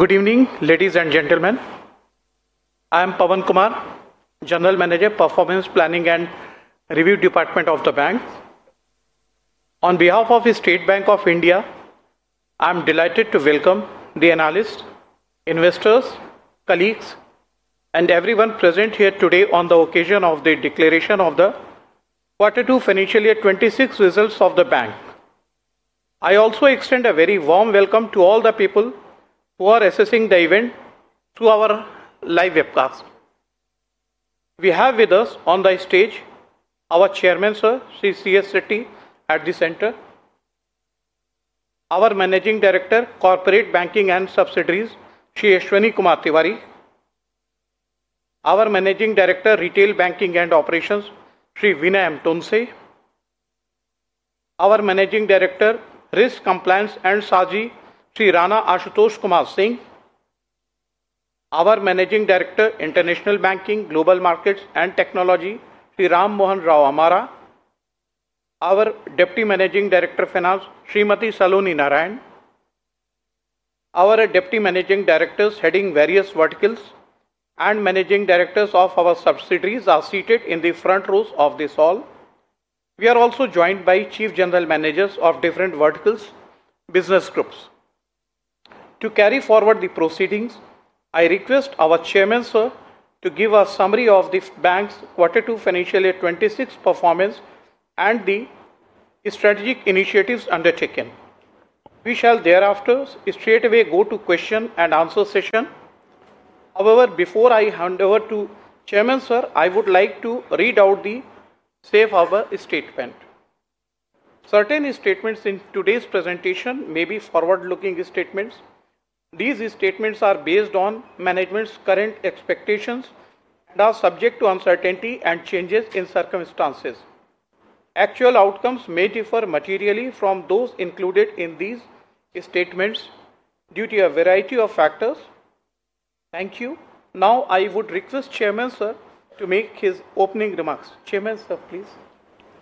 Good evening, ladies and gentlemen. I am Pawan Kumar, General Manager, Performance Planning and Review Department of the Bank. On behalf of the State Bank of India, I am delighted to welcome the analysts, investors, colleagues, and everyone present here today on the occasion of the declaration of the Q2 financial year 2026 results of the bank. I also extend a very warm welcome to all the people who are assisting the event through our live webcast. We have with us on the stage our Chairman, Sir, Shri Challa Sreenivasulu Setty at the center. Our Managing Director, Corporate Banking and Subsidiaries, Shri Ashwini Kumar Tewari. Our Managing Director, Retail Banking and Operations, Shri Vinay Tonse. Our Managing Director, Risk, Compliance and SARG, Shri Rana Ashutosh Kumar Singh. Our Managing Director, International Banking, Global Markets, and Technology, Shri Ram Mohan Rao Amara. Our Deputy Managing Director, Finance, Srimati Saloni Narayan. Our Deputy Managing Directors, heading various verticals, and Managing Directors of our subsidiaries are seated in the front rows of this hall. We are also joined by Chief General Managers of different verticals, business groups. To carry forward the proceedings, I request our Chairman, sir, to give a summary of the bank's Q2 financial year 2026 performance and the strategic initiatives undertaken. We shall thereafter straight away go to question and answer session. However, before I hand over to Chairman, sir, I would like to read out the Safe Harbor statement. Certain statements in today's presentation may be forward-looking statements. These statements are based on management's current expectations and are subject to uncertainty and changes in circumstances. Actual outcomes may differ materially from those included in these statements due to a variety of factors. Thank you. Now, I would request Chairman, sir, to make his opening remarks. Chairman, sir, please.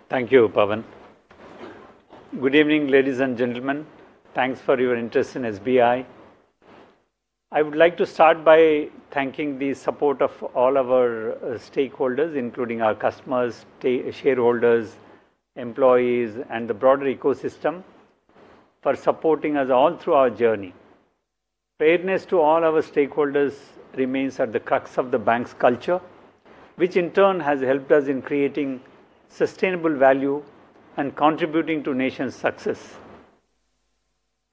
Thank you, Pawan. Good evening, ladies and gentlemen. Thanks for your interest in SBI. I would like to start by thanking the support of all of our stakeholders, including our customers, shareholders, employees, and the broader ecosystem, for supporting us all through our journey. Fairness to all our stakeholders remains at the crux of the bank's culture, which in turn has helped us in creating sustainable value and contributing to the nation's success.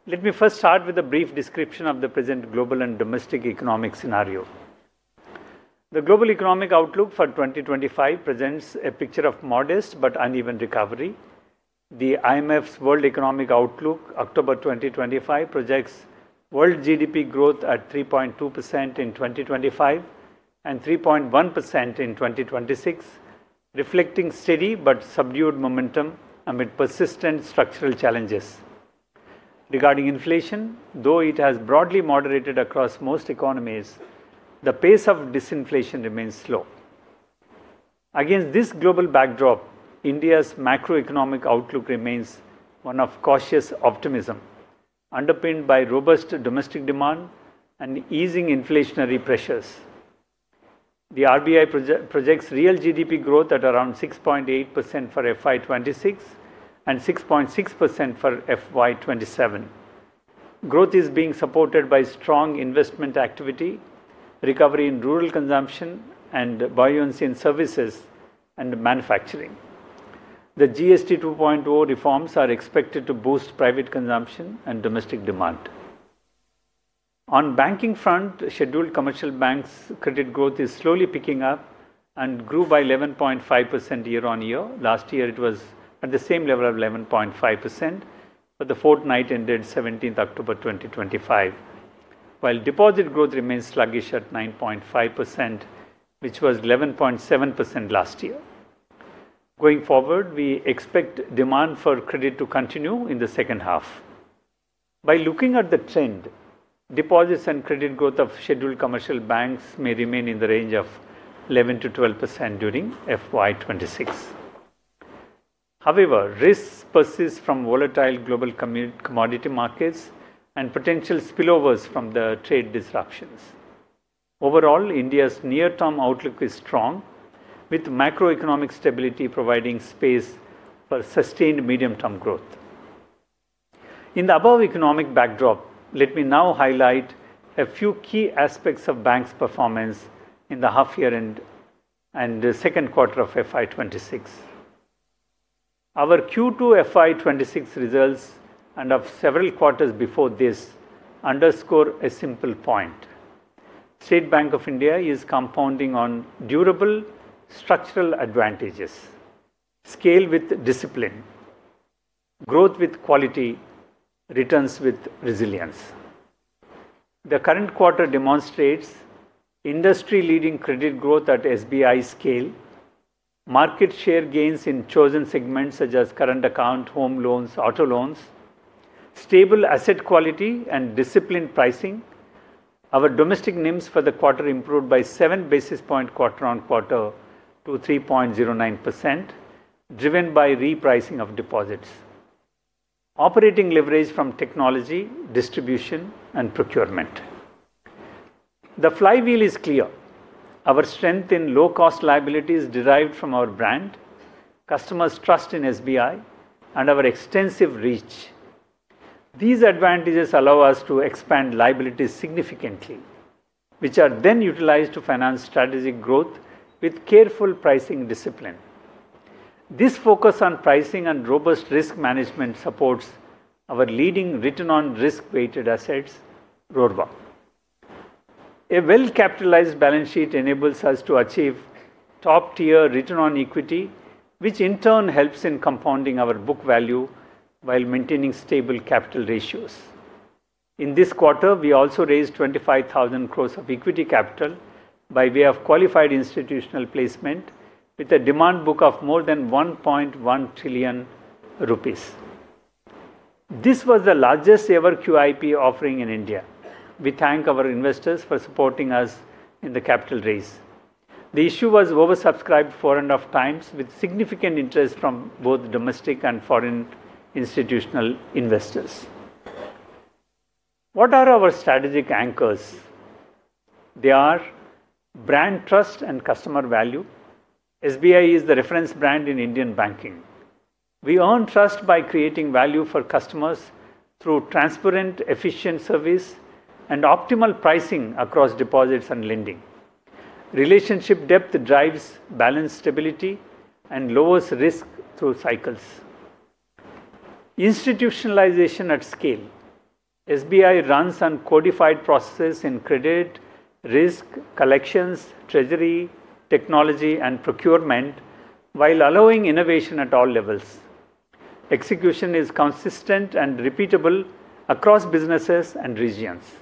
Let me first start with a brief description of the present global and domestic economic scenario. The global economic outlook for 2025 presents a picture of modest but uneven recovery. The IMF's World Economic Outlook, October 2025, projects world GDP growth at 3.2% in 2025 and 3.1% in 2026, reflecting steady but subdued momentum amid persistent structural challenges. Regarding inflation, though it has broadly moderated across most economies, the pace of disinflation remains slow. Against this global backdrop, India's macroeconomic outlook remains one of cautious optimism, underpinned by robust domestic demand and easing inflationary pressures. The Reserve Bank of India projects real GDP growth at around 6.8% for FY 2026 and 6.6% for FY 2027. Growth is being supported by strong investment activity, recovery in rural consumption, and buoyancy in services and manufacturing. The GST 2.0 reforms are expected to boost private consumption and domestic demand. On the banking front, scheduled commercial banks' credit growth is slowly picking up and grew by 11.5% year-on-year. Last year, it was at the same level of 11.5%, but the fortnight ended 17 October 2025. While deposit growth remains sluggish at 9.5%, which was 11.7% last year. Going forward, we expect demand for credit to continue in the second half. By looking at the trend, deposits and credit growth of scheduled commercial banks may remain in the range of 11%-12% during FY 2026. However, risks persist from volatile global commodity markets and potential spillovers from the trade disruptions. Overall, India's near-term outlook is strong, with macroeconomic stability providing space for sustained medium-term growth. In the above economic backdrop, let me now highlight a few key aspects of the bank's performance in the half year and second quarter of FY 2026. Our Q2 FY 2026 results and of several quarters before this underscore a simple point. State Bank of India is compounding on durable structural advantages. Scale with discipline. Growth with quality. Returns with resilience. The current quarter demonstrates industry-leading credit growth at State Bank of India scale, market share gains in chosen segments such as current account, Home Loans, auto loans, stable asset quality, and disciplined pricing. Our domestic NIMs for the quarter improved by 7 basis points quarter on quarter to 3.09%, driven by repricing of deposits, operating leverage from technology, distribution, and procurement. The flywheel is clear. Our strength in low-cost liabilities derived from our brand, customers' trust in SBI, and our extensive reach. These advantages allow us to expand liabilities significantly, which are then utilized to finance strategic growth with careful pricing discipline. This focus on pricing and robust risk management supports our leading return on risk-weighted assets, RoRWA. A well-capitalized balance sheet enables us to achieve top-tier return on equity, which in turn helps in compounding our book value while maintaining stable capital ratios. In this quarter, we also raised 25,000 crore of equity capital by way of qualified institutional placement with a demand book of more than 1.1 trillion rupees. This was the largest-ever QIP offering in India. We thank our investors for supporting us in the capital raise. The issue was oversubscribed four and a half times with significant interest from both domestic and foreign institutional investors. What are our strategic anchors? They are brand trust and customer value. SBI is the reference brand in Indian banking. We earn trust by creating value for customers through transparent, efficient service, and optimal pricing across deposits and lending. Relationship depth drives balance stability and lowers risk through cycles. Institutionalization at scale. SBI runs on codified processes in credit, risk, collections, treasury, technology, and procurement while allowing innovation at all levels. Execution is consistent and repeatable across businesses and regions.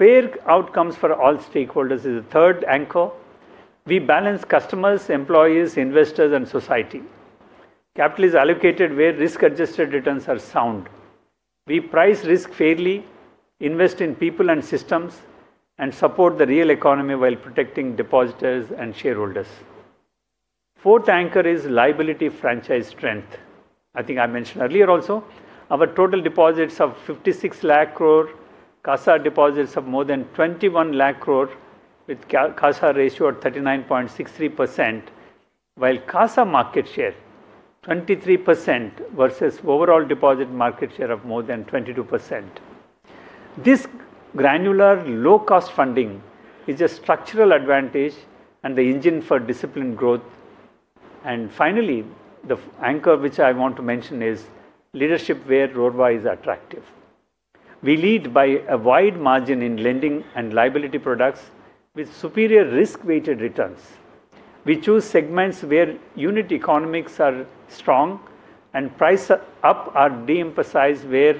Fair outcomes for all stakeholders is the third anchor. We balance customers, employees, investors, and society. Capital is allocated where risk-adjusted returns are sound. We price risk fairly, invest in people and systems, and support the real economy while protecting depositors and shareholders. Fourth anchor is liability franchise strength. I think I mentioned earlier also our total deposits of 56 lakh crore, CASA deposits of more than 21 lakh crore with CASA ratio at 39.63%. While CASA market share 23% versus overall deposit market share of more than 22%. This granular low-cost funding is a structural advantage and the engine for disciplined growth. Finally, the anchor which I want to mention is leadership where RoRWA is attractive. We lead by a wide margin in lending and liability products with superior risk-weighted returns. We choose segments where unit economics are strong and price-up are de-emphasized where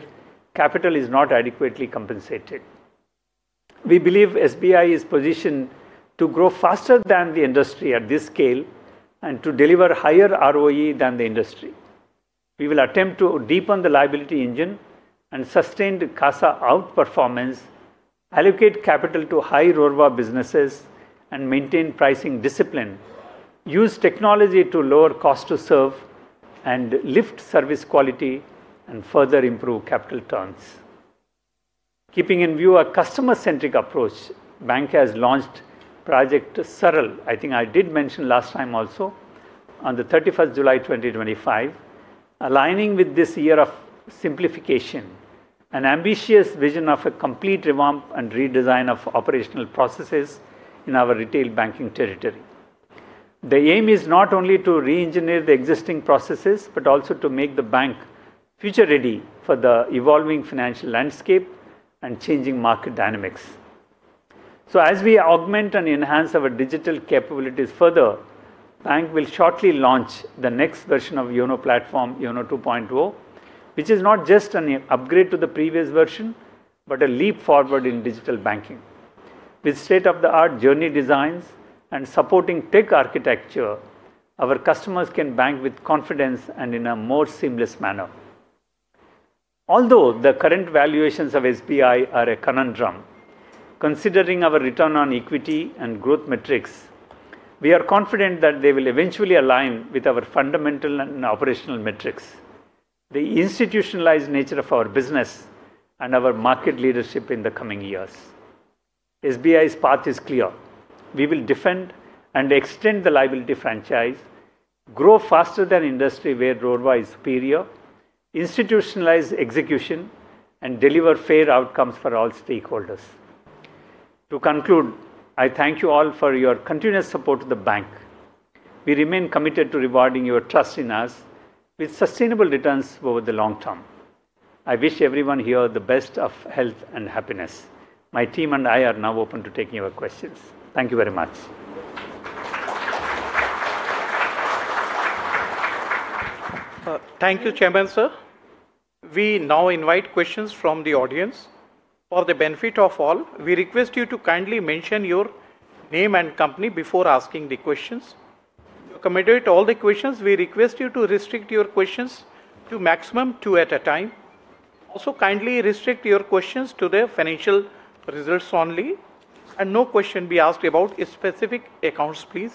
capital is not adequately compensated. We believe SBI is positioned to grow faster than the industry at this scale and to deliver higher ROE than the industry. We will attempt to deepen the liability engine and sustain the CASA outperformance, allocate capital to high RoRWA businesses, and maintain pricing discipline, use technology to lower cost to serve, and lift service quality and further improve capital terms. Keeping in view a customer-centric approach, the bank has launched Project SARL. I think I did mention last time also on the 31st July 2025. Aligning with this year of simplification, an ambitious vision of a complete revamp and redesign of operational processes in our retail banking territory. The aim is not only to re-engineer the existing processes, but also to make the bank future-ready for the evolving financial landscape and changing market dynamics. As we augment and enhance our digital capabilities further, the bank will shortly launch the next version of the YONO platform, YONO 2.0, which is not just an upgrade to the previous version, but a leap forward in digital banking. With state-of-the-art journey designs and supporting tech architecture, our customers can bank with confidence and in a more seamless manner. Although the current valuations of SBI are a conundrum, considering our return on equity and growth metrics, we are confident that they will eventually align with our fundamental and operational metrics, the institutionalized nature of our business, and our market leadership in the coming years. SBI's path is clear. We will defend and extend the liability franchise, grow faster than industry where RoRWA is superior, institutionalize execution, and deliver fair outcomes for all stakeholders. To conclude, I thank you all for your continuous support of the bank. We remain committed to rewarding your trust in us with sustainable returns over the long term. I wish everyone here the best of health and happiness. My team and I are now open to taking your questions. Thank you very much. Thank you, Chairman, Sir. We now invite questions from the audience. For the benefit of all, we request you to kindly mention your name and company before asking the questions. Committed to all the questions, we request you to restrict your questions to a maximum of two at a time. Also, kindly restrict your questions to the financial results only and no questions be asked about specific accounts, please.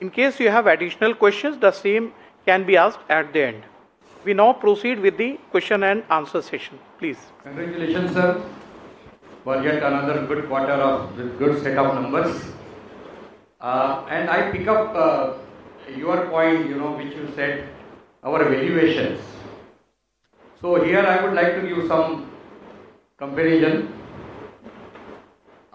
In case you have additional questions, the same can be asked at the end. We now proceed with the question and answer session. Please. Congratulations, Sir. For yet another good quarter with good set of numbers. I pick up your point, you know, which you said, our valuations. Here, I would like to give some comparison.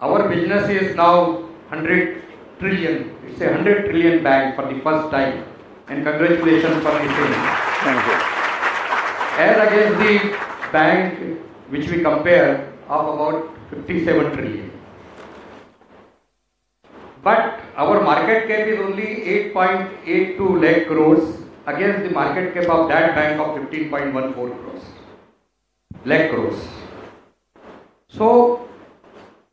Our business is now 100 trillion. It's a 100 trillion bank for the first time. Congratulations for this thing. Thank you. As against the bank which we compare, of about 57 trillion. But our market cap is only 8.82 lakh crore against the market cap of that bank of 15.14 lakh crore. So,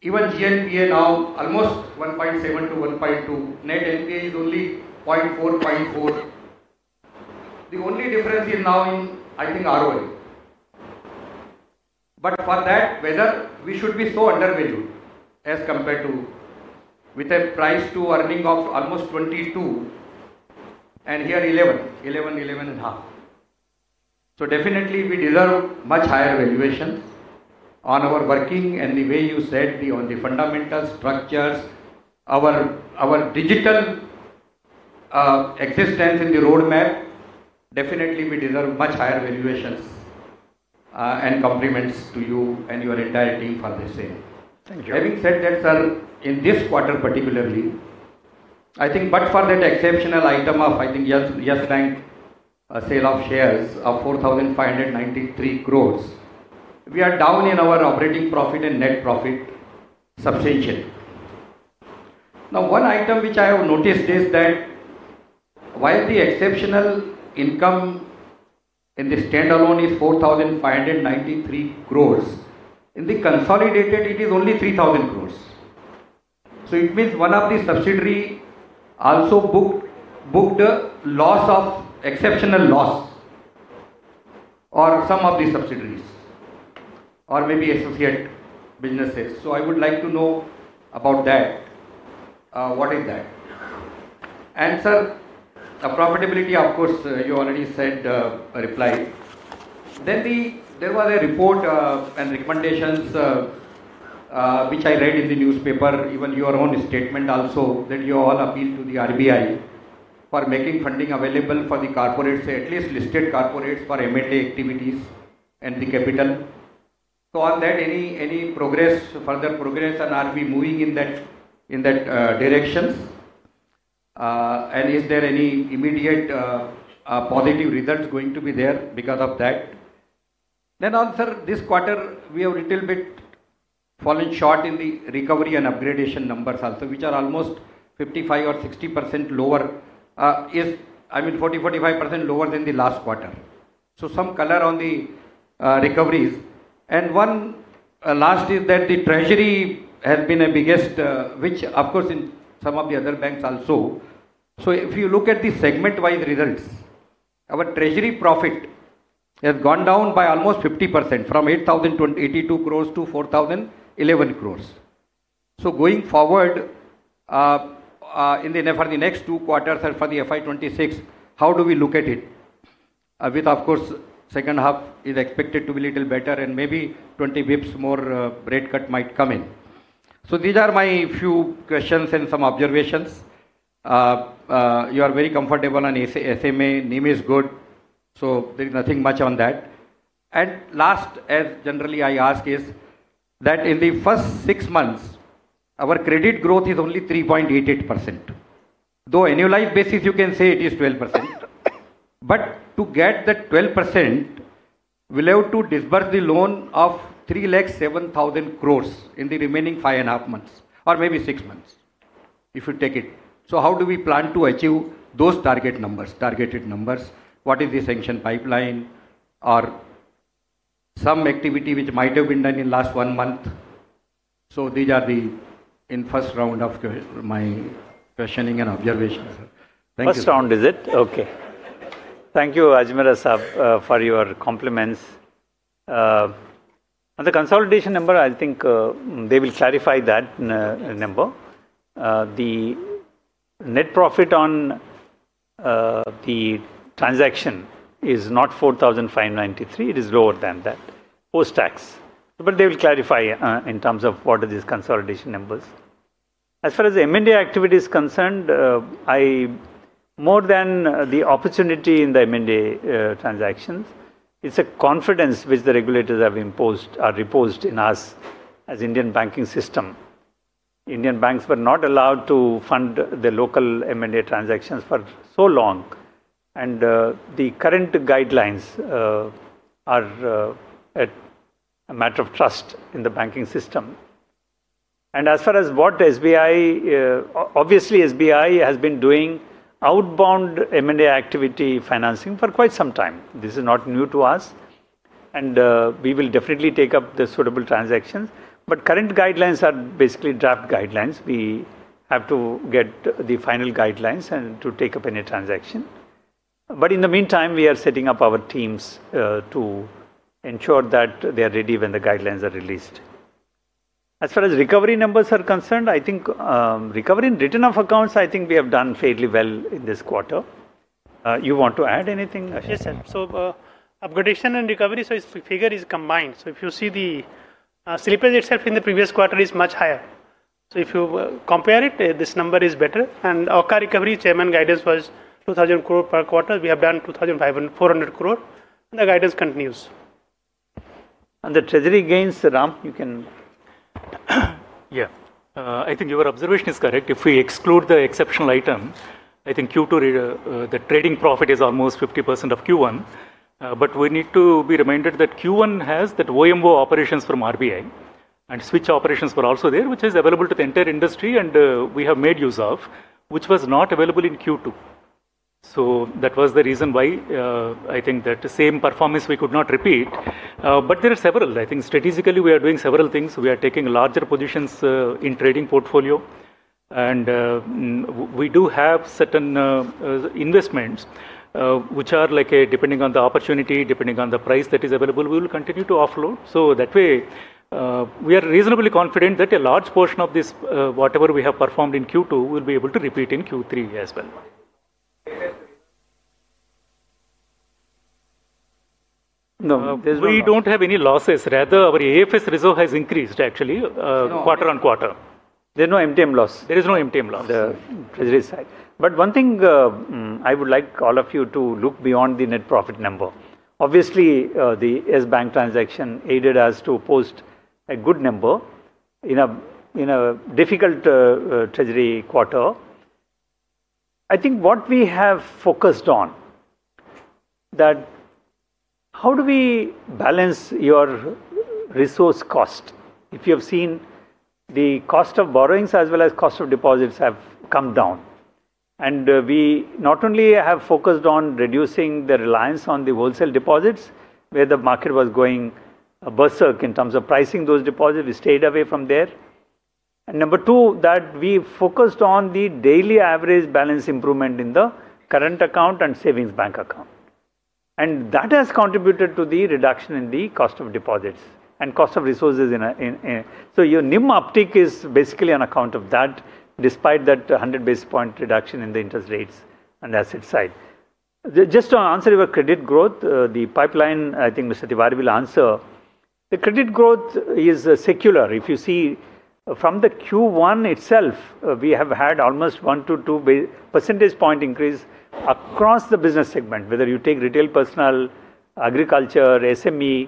even GNPA now almost 1.7% to 1.2%. Net NPA is only 0.44%. The only difference is now in, I think, ROE. But for that, whether we should be so undervalued as compared to, with a price to earning of almost 22%. And here 11%, 11%, 11.5%. Definitely, we deserve much higher valuation on our working and the way you said, on the fundamental structures, our digital existence in the roadmap, definitely we deserve much higher valuations. Compliments to you and your entire team for the same. Thank you. Having said that, Sir, in this quarter particularly. I think, but for that exceptional item of, I think, Yes Bank. Sale of shares of 4,593 crore, we are down in our operating profit and net profit substantially. Now, one item which I have noticed is that. While the exceptional income. In the standalone is 4,593 crore, in the consolidated, it is only 3,000 crore. So it means one of the subsidiaries also booked loss of exceptional loss. Or some of the subsidiaries. Or maybe associate businesses. So I would like to know about that. What is that? And, Sir, profitability, of course, you already said a reply. Then there was a report and recommendations. Which I read in the newspaper, even your own statement also, that you all appeal to the RBI for making funding available for the corporates, at least listed corporates for M&A activities and the capital. So on that, any progress, further progress, and are we moving in that. Direction? And is there any immediate. Positive results going to be there because of that? Then, Sir, this quarter, we have a little bit. Fallen short in the recovery and upgradation numbers also, which are almost 55% or 60% lower. I mean, 40%-45% lower than the last quarter. So some color on the recoveries. And one last is that the treasury has been the biggest, which, of course, in some of the other banks also. If you look at the segment-wise results, our treasury profit has gone down by almost 50% from 8,082 crore to 4,011 crore. Going forward. In the next two quarters and for the FY 2026, how do we look at it? With, of course, the second half is expected to be a little better and maybe 20 basis points more rate cut might come in. These are my few questions and some observations. You are very comfortable on SMA. NIM is good. There is nothing much on that. Last, as generally I ask, is that in the first six months, our credit growth is only 3.88%. Though annualized basis, you can say it is 12%. To get that 12%. We'll have to disburse the loan of 3.07 lakh crore in the remaining five and a half months or maybe six months if you take it. How do we plan to achieve those target numbers, targeted numbers? What is the sanction pipeline or. Some activity which might have been done in the last one month? These are the first round of my questioning and observations. First round is it? Okay. Thank you, Ajmera Sahib, for your compliments. On the consolidation number, I think they will clarify that number. The net profit on the transaction is not 4,593 crore. It is lower than that post-tax. They will clarify in terms of what are these consolidation numbers. As far as the M&A activity is concerned, more than the opportunity in the M&A transactions, it's a confidence which the regulators have imposed or reposed in us as an Indian banking system. Indian banks were not allowed to fund the local M&A transactions for so long. The current guidelines are a matter of trust in the banking system. As far as what SBI, obviously SBI has been doing outbound M&A activity financing for quite some time. This is not new to us. We will definitely take up the suitable transactions. Current guidelines are basically draft guidelines. We have to get the final guidelines and to take up any transaction. In the meantime, we are setting up our teams to ensure that they are ready when the guidelines are released. As far as recovery numbers are concerned, I think recovery and return of accounts, I think we have done fairly well in this quarter. You want to add anything, Ashwini? Yes, sir. Upgradation and recovery, this figure is combined. If you see the slippage itself in the previous quarter, it is much higher. If you compare it, this number is better. OCA recovery Chairman guidance was 2,000 crore per quarter. We have done 2,400 crore. The guidance continues. The treasury gains, Sir, you can. Yeah. I think your observation is correct. If we exclude the exceptional item, I think Q2, the trading profit is almost 50% of Q1. We need to be reminded that Q1 has that OMO operations from RBI and switch operations were also there, which is available to the entire industry and we have made use of, which was not available in Q2. That was the reason why I think that same performance we could not repeat. There are several. I think strategically we are doing several things. We are taking larger positions in trading portfolio. We do have certain investments, which are like depending on the opportunity, depending on the price that is available, we will continue to offload. That way, we are reasonably confident that a large portion of this, whatever we have performed in Q2, we'll be able to repeat in Q3 as well. No. We don't have any losses. Rather, our AFS reserve has increased, actually, quarter on quarter. There's no MTM loss. There is no MTM loss on the treasury side. One thing I would like all of you to look beyond is the net profit number. Obviously, the SBI transaction aided us to post a good number in a difficult treasury quarter. I think what we have focused on is how do we balance your resource cost. If you have seen, the cost of borrowings as well as cost of deposits have come down. We not only have focused on reducing the reliance on the wholesale deposits, where the market was going a bird's nest in terms of pricing those deposits, we stayed away from there. Number two, we focused on the daily average balance improvement in the current account and savings bank account. That has contributed to the reduction in the cost of deposits and cost of resources. Your NIM uptick is basically on account of that, despite that 100 basis point reduction in the interest rates on the asset side. Just to answer your credit growth, the pipeline, I think Mr. Tewari will answer. The credit growth is secular. If you see from the Q1 itself, we have had almost one to two percentage point increase across the business segment, whether you take retail, personal, agriculture, SME,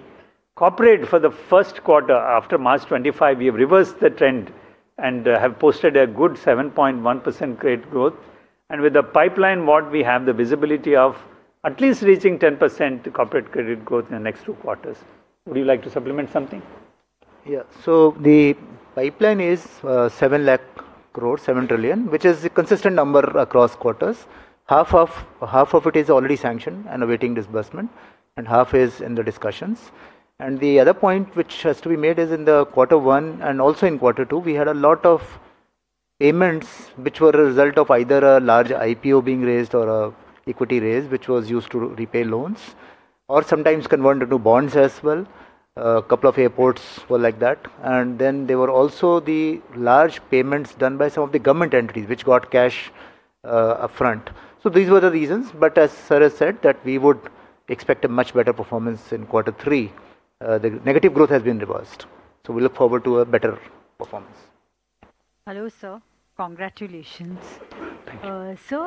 corporate. For the first quarter after March 25, we have reversed the trend and have posted a good 7.1% credit growth. With the pipeline, we have the visibility of at least reaching 10% corporate credit growth in the next two quarters. Would you like to supplement something? Yeah. The pipeline is 7 lakh crore, which is a consistent number across quarters. Half of it is already sanctioned and awaiting disbursement, and half is in discussions. The other point which has to be made is in quarter one and also in quarter two, we had a lot of payments which were a result of either a large IPO being raised or an equity raise, which was used to repay loans or sometimes converted into bonds as well. A couple of airports were like that. There were also the large payments done by some of the government entities which got cash upfront. These were the reasons. As Sara said, we would expect a much better performance in quarter three. The negative growth has been reversed. We look forward to a better performance. Hello, Sir. Congratulations. Thank you. Sir,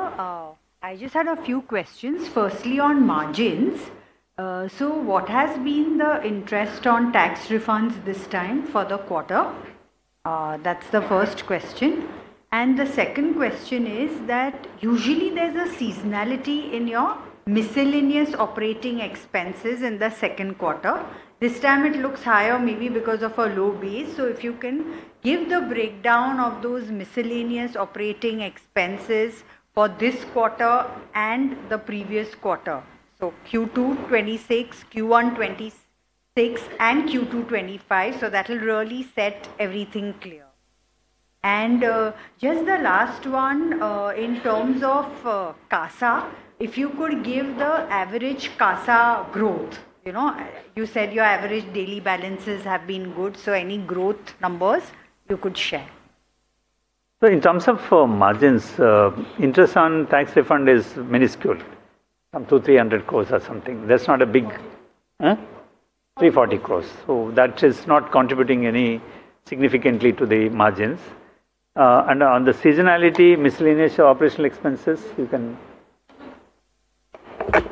I just had a few questions. Firstly, on margins. What has been the interest on tax refunds this time for the quarter? That is the first question. The second question is that usually there is a seasonality in your miscellaneous operating expenses in the second quarter. This time it looks higher, maybe because of a low base. If you can give the breakdown of those miscellaneous operating expenses for this quarter and the previous quarter. Q2 2026, Q1 2026, and Q2 2025. That will really set everything clear. Just the last one, in terms of CASA, if you could give the average CASA growth. You said your average daily balances have been good. Any growth numbers you could share? In terms of margins, interest on tax refund is minuscule. Some 200 crore, 300 crore or something. That is not big. 340 crore. That is not contributing any significantly to the margins. On the seasonality, miscellaneous operational expenses, you can.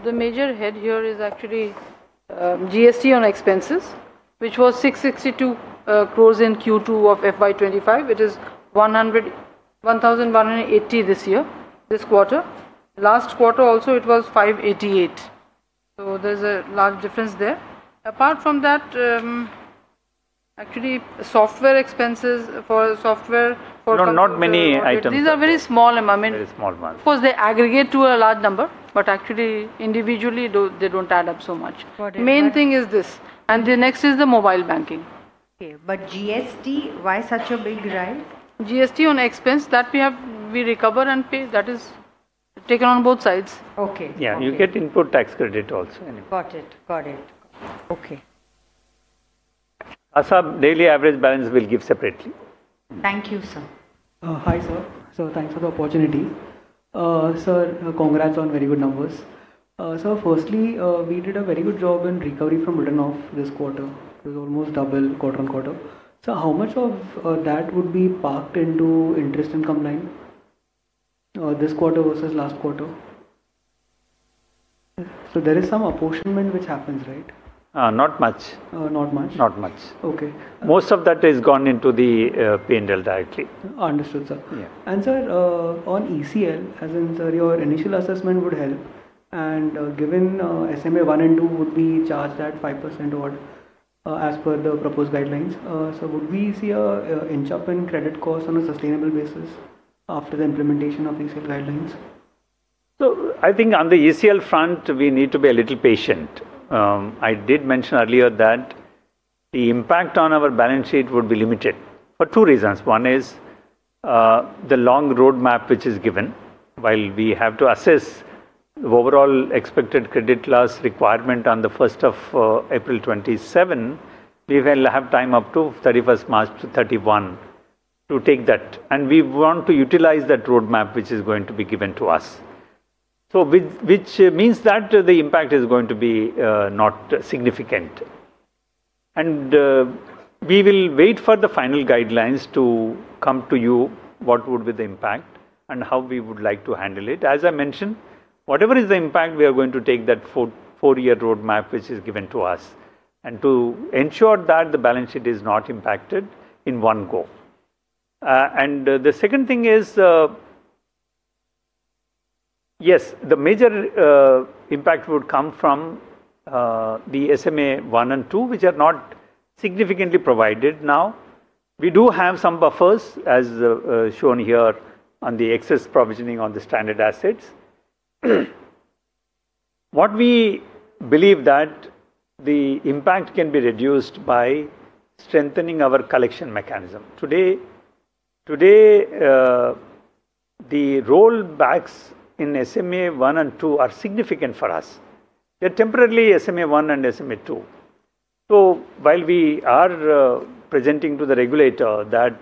The major head here is actually GST on expenses, which was 662 crore in Q2 of FY 2025. It is 1,180 crore this year, this quarter. Last quarter also, it was 588 crore. There is a large difference there. Apart from that, actually, software expenses for software. Not many items. These are very small amounts. Very small amounts. Of course, they aggregate to a large number, but actually, individually, they don't add up so much. The main thing is this. The next is the mobile banking. Okay. GST, why such a big rise? GST on expense, that we recover and pay. That is taken on both sides. Okay. Yeah. You get input tax credit also. Got it. Got it. Okay. CASA, daily average balance will give separately. Thank you, Sir. Hi, Sir. Thanks for the opportunity. Sir, congrats on very good numbers. Sir, firstly, we did a very good job in recovery from burden off this quarter. It was almost double quarter on quarter. Sir, how much of that would be parked into interest income line? This quarter versus last quarter. There is some apportionment which happens, right? Not much. Not much. Not much. Okay. Most of that has gone into the P&L directly. Understood, Sir. Yeah. Sir, on ECL, as in Sir, your initial assessment would help. Given SMA-1 and 2 would be charged at 5% or as per the proposed guidelines. Sir, would we see an inch up in credit cost on a sustainable basis after the implementation of these guidelines? I think on the ECL front, we need to be a little patient. I did mention earlier that the impact on our balance sheet would be limited for two reasons. One is the long roadmap which is given. While we have to assess the overall expected credit loss requirement on the 1st of April 2027, we will have time up to 31st March 2031 to take that. We want to utilize that roadmap which is going to be given to us, which means that the impact is going to be not significant. We will wait for the final guidelines to come to you, what would be the impact and how we would like to handle it. As I mentioned, whatever is the impact, we are going to take that four-year roadmap which is given to us to ensure that the balance sheet is not impacted in one go. The second thing is, yes, the major impact would come from the SMA-1 and 2, which are not significantly provided now. We do have some buffers, as shown here on the excess provisioning on the standard assets. What we believe is that the impact can be reduced by strengthening our collection mechanism. Today, the rollbacks in SMA-1 and 2 are significant for us. They are temporarily SMA-1 and SMA-2. While we are presenting to the regulator that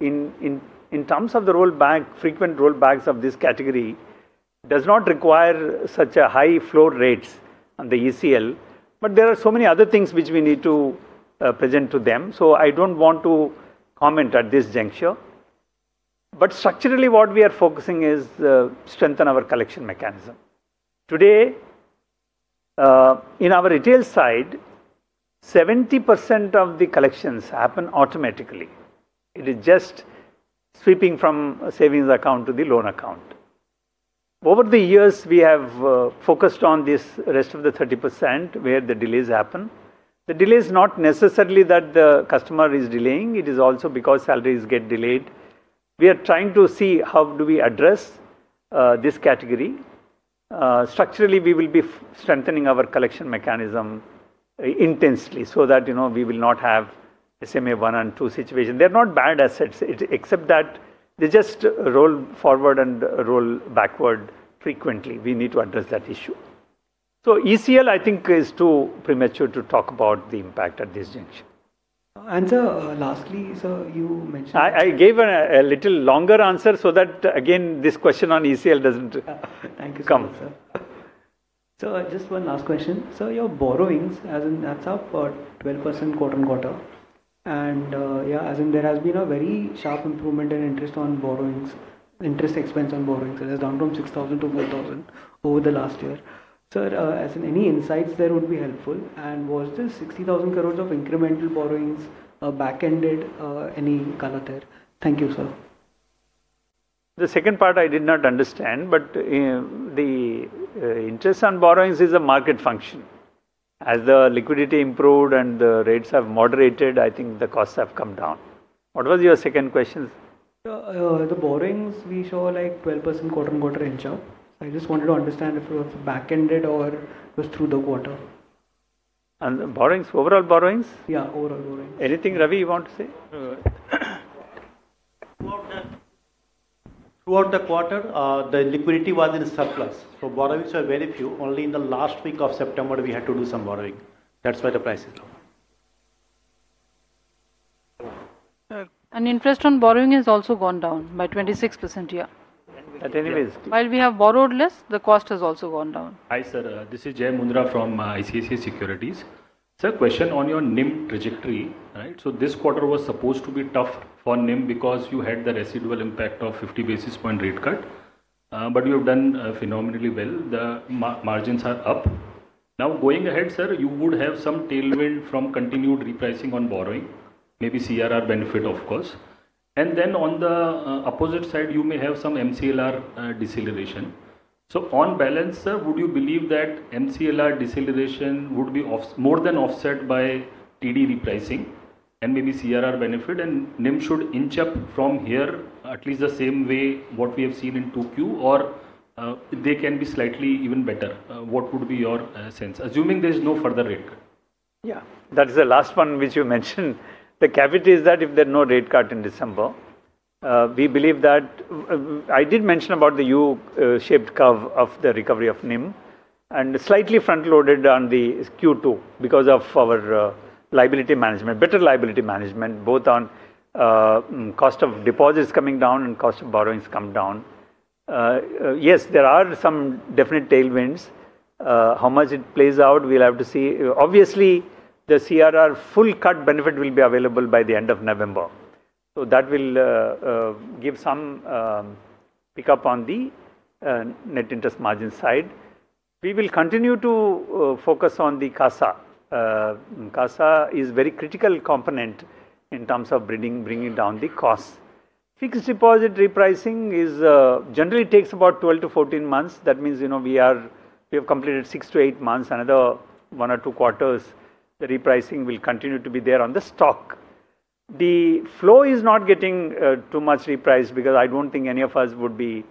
in terms of the rollback, frequent rollbacks of this category do not require such high floor rates on the ECL, there are so many other things which we need to present to them. I do not want to comment at this juncture. Structurally, what we are focusing on is strengthening our collection mechanism. Today, in our retail side, 70% of the collections happen automatically. It is just sweeping from savings account to the loan account. Over the years, we have focused on this rest of the 30% where the delays happen. The delay is not necessarily that the customer is delaying. It is also because salaries get delayed. We are trying to see how do we address this category. Structurally, we will be strengthening our collection mechanism intensely so that we will not have SMA-1 and 2 situation. They are not bad assets, except that they just roll forward and roll backward frequently. We need to address that issue. ECL, I think, is too premature to talk about the impact at this juncture. Sir, lastly, Sir, you mentioned. I gave a little longer answer so that, again, this question on ECL doesn't come. Thank you, sir. Sir, just one last question. Sir, your borrowings, as in that's up for 12% quarter on quarter. Yeah, as in there has been a very sharp improvement in interest on borrowings, interest expense on borrowings. That's down from 6,000 to 4,000 over the last year. Sir, as in any insights there would be helpful. Was this 60,000 crore of incremental borrowings back-ended, any color there? Thank you, Sir. The second part I did not understand, but the interest on borrowings is a market function. As the liquidity improved and the rates have moderated, I think the costs have come down. What was your second question? The borrowings, we show like 12% quarter on quarter inch up. I just wanted to understand if it was back-ended or it was through the quarter. The borrowings, overall borrowings? Yeah, overall borrowings. Anything, Ravi, you want to say? Throughout the. Throughout the quarter, the liquidity was in surplus. So borrowings were very few. Only in the last week of September, we had to do some borrowing. That's why the price is lower. Sir. Interest on borrowing has also gone down by 26%, yeah. At any rate. While we have borrowed less, the cost has also gone down. Hi, sir. This is Jai Mundhra from ICICI Securities. Sir, question on your NIM trajectory, right? This quarter was supposed to be tough for NIM because you had the residual impact of 50 basis point rate cut. You have done phenomenally well. The margins are up. Now, going ahead, Sir, you would have some tailwind from continued repricing on borrowing, maybe CRR benefit, of course. On the opposite side, you may have some MCLR deceleration. On balance, Sir, would you believe that MCLR deceleration would be more than offset by TD repricing and maybe CRR benefit? NIM should inch up from here, at least the same way what we have seen in 2Q, or they can be slightly even better. What would be your sense? Assuming there is no further rate cut. Yeah. That's the last one which you mentioned. The caveat is that if there's no rate cut in December. We believe that. I did mention about the u-shaped curve of the recovery of NIM and slightly front-loaded on the Q2 because of our liability management, better liability management, both on cost of deposits coming down and cost of borrowings coming down. Yes, there are some definite tailwinds. How much it plays out, we'll have to see. Obviously, the CRR full cut benefit will be available by the end of November. That will give some pickup on the net interest margin side. We will continue to focus on the CASA. CASA is a very critical component in terms of bringing down the cost. Fixed deposit repricing generally takes about 12-14 months. That means we have completed six to eight months. Another one or two quarters, the repricing will continue to be there on the stock. The flow is not getting too much repriced because I don't think any of us would be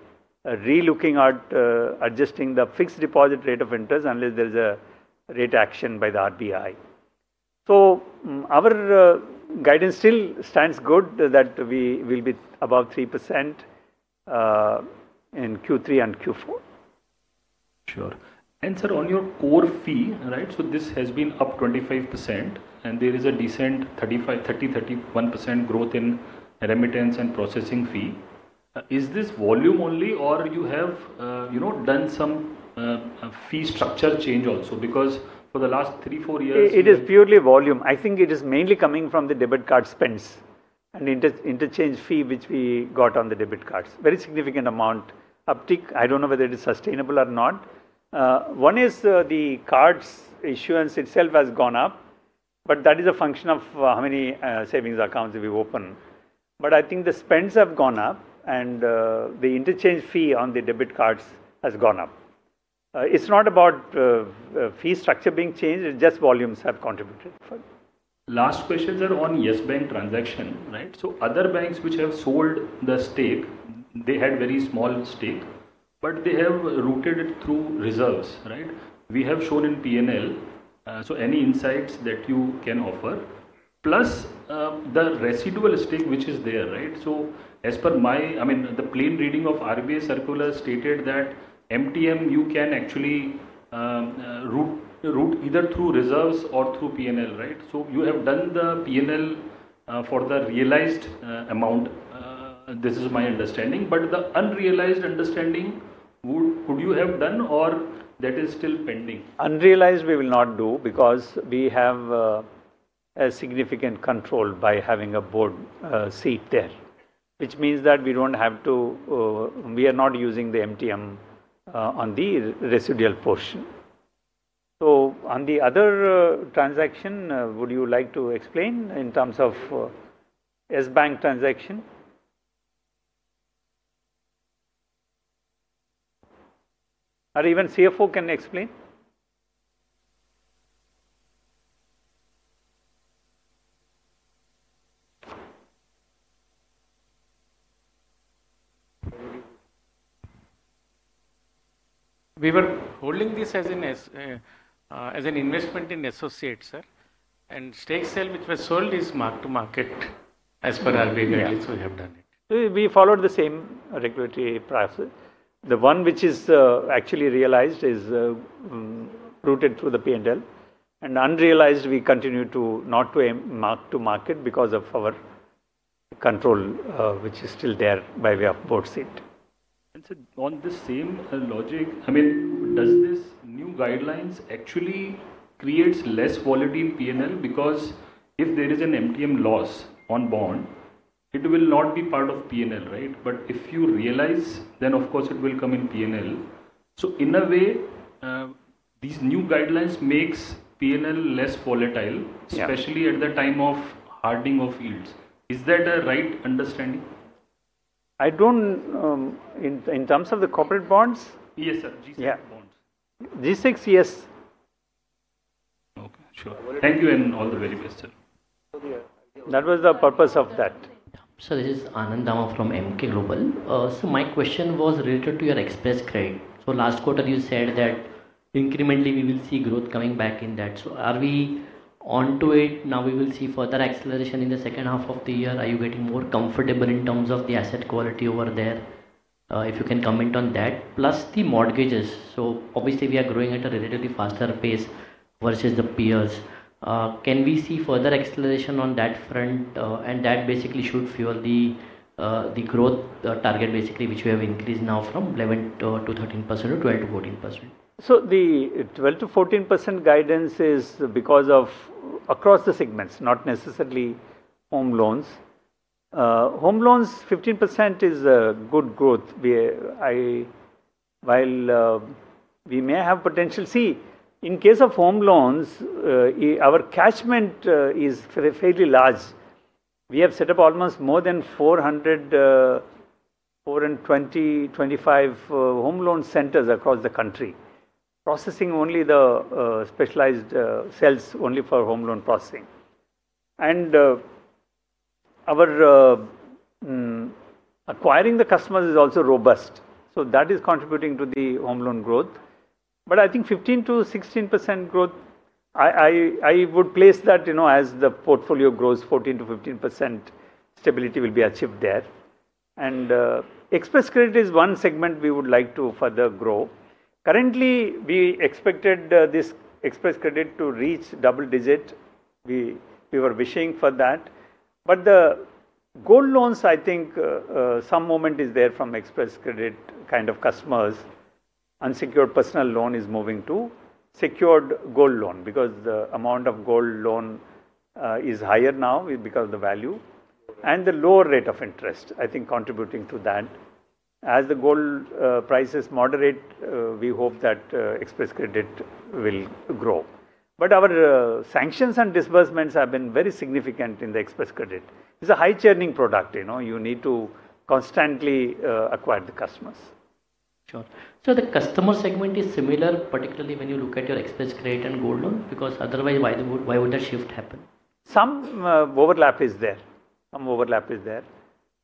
relooking at adjusting the fixed deposit rate of interest unless there's a rate action by the RBI. Our guidance still stands good that we will be above 3% in Q3 and Q4. Sure. Sir, on your core fee, right? This has been up 25%, and there is a decent 30-31% growth in remittance and processing fee. Is this volume only, or have you done some fee structure change also? Because for the last three, four years. It is purely volume. I think it is mainly coming from the debit card spends and interchange fee which we got on the debit cards. Very significant amount uptick. I do not know whether it is sustainable or not. One is the card's issuance itself has gone up, but that is a function of how many savings accounts we open. I think the spends have gone up, and the interchange fee on the debit cards has gone up. It is not about fee structure being changed. It is just volumes have contributed. Last question, sir, on Yes Bank transaction, right? Other banks which have sold the stake, they had very small stake, but they have routed it through reserves, right? We have shown in P&L. Any insights that you can offer? Plus the residual stake which is there, right? As per my, I mean, the plain reading of RBI circular stated that MTM, you can actually route either through reserves or through P&L, right? You have done the P&L for the realized amount. This is my understanding. The unrealized understanding, would you have done, or is that still pending? Unrealized, we will not do because we have a significant control by having a board seat there, which means that we do not have to. We are not using the MTM on the residual portion. On the other transaction, would you like to explain in terms of Yes Bank transaction? Or even CFO can explain? We were holding this as an investment in associates, sir. The stake sale which was sold is marked to market as per RBI guidelines. We have done it. We followed the same regulatory process. The one which is actually realized is routed through the P&L. Unrealized, we continue to not mark-to-market because of our control which is still there by way of board seat. Sir, on the same logic, I mean, does this new guidelines actually create less quality in P&L? Because if there is an MTM loss on bond, it will not be part of P&L, right? If you realize, then of course it will come in P&L. In a way, these new guidelines make P&L less volatile, especially at the time of hardening of yields. Is that a right understanding? I don't. In terms of the corporate bonds? Yes, Sir. G-Sec bonds. G-Sec, yes. Okay. Sure. Thank you and all the very best, Sir. That was the purpose of that. Sir, this is Anand Dama from Emkay Global. Sir, my question was related to your Xpress Credit. Last quarter, you said that incrementally we will see growth coming back in that. Are we on to it? Now we will see further acceleration in the second half of the year. Are you getting more comfortable in terms of the asset quality over there? If you can comment on that. Plus the mortgages. Obviously, we are growing at a relatively faster pace versus the peers. Can we see further acceleration on that front? That basically should fuel the growth target, which we have increased now from 11-13% to 12-14%. The 12-14% guidance is because of across the segments, not necessarily Home Loans. Home loans, 15% is good growth. While we may have potential, see, in case of Home Loans, our catchment is fairly large. We have set up almost more than 400, 420-425 Home Loan centers across the country, processing only the specialized sales only for Home Loan processing. Our acquiring the customers is also robust. That is contributing to the Home Loan growth. I think 15-16% growth, I would place that as the portfolio grows, 14-15% stability will be achieved there. Xpress Credit is one segment we would like to further grow. Currently, we expected this Xpress Credit to reach double digit. We were wishing for that. The gold loans, I think some moment is there from Xpress Credit kind of customers. Unsecured personal loan is moving to secured gold loan because the amount of gold loan is higher now because of the value and the lower rate of interest, I think contributing to that. As the gold prices moderate, we hope that Xpress Credit will grow. Our sanctions and disbursements have been very significant in the Xpress Credit. it is a high-churning product. You need to constantly acquire the customers. Sure. Sir, the customer segment is similar, particularly when you look at your Xpress Credit and gold loan? Because otherwise, why would that shift happen? Some overlap is there.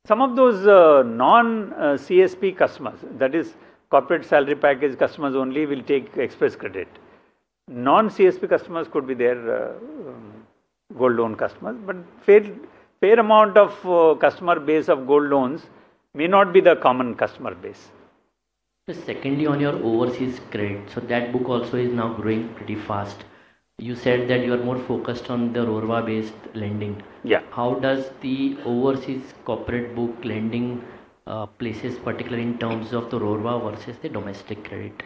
Some of those non-CSP customers, that is corporate salary package customers only, will take Xpress Credit. Non-CSP customers could be there. Gold loan customers. A fair amount of customer base of gold loans may not be the common customer base. Sir, secondly on your overseas credit. So that book also is now growing pretty fast. You said that you are more focused on the RoRWA-based lending. How does the overseas corporate book lending, places, particularly in terms of the RoRWA versus the domestic credit?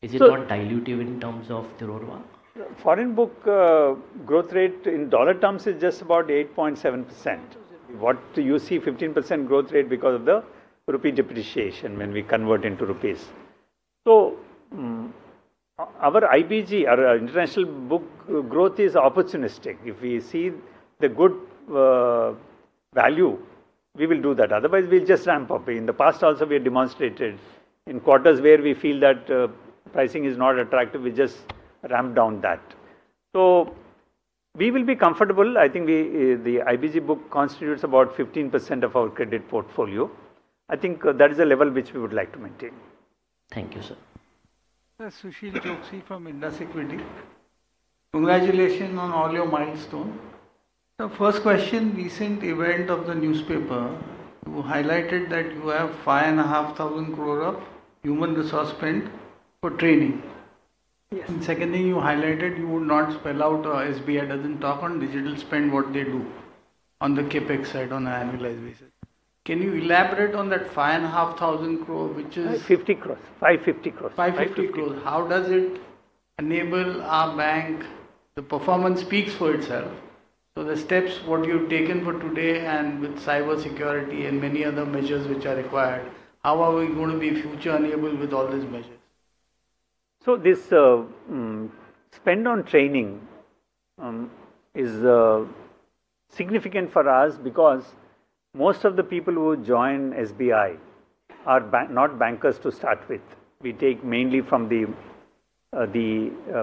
Is it not diluted in terms of the RoRWA? Foreign book growth rate in dollar terms is just about 8.7%. What you see, 15% growth rate because of the rupee depreciation when we convert into rupees. Our IBG, our international book growth is opportunistic. If we see the good value, we will do that. Otherwise, we'll just ramp up. In the past, also we have demonstrated in quarters where we feel that pricing is not attractive, we just ramp down that. We will be comfortable. I think the IBG book constitutes about 15% of our credit portfolio. I think that is a level which we would like to maintain. Thank you, sir. Sushil Choksey from Indus Equity. Congratulations on all your milestones. Sir, first question, recent event of the newspaper, you highlighted that you have 5,500 crore of human resource spent for training. Secondly, you highlighted you would not spell out SBI does not talk on digital spend, what they do on the CapEx side on an annualized basis. Can you elaborate on that 5,500 crore, which is? 50 crore. 550 crore. 550 crore. How does it enable our bank? The performance speaks for itself. The steps, what you've taken for today and with cybersecurity and many other measures which are required, how are we going to be future enabled with all these measures? This spend on training is significant for us because most of the people who join SBI are not bankers to start with. We take mainly from the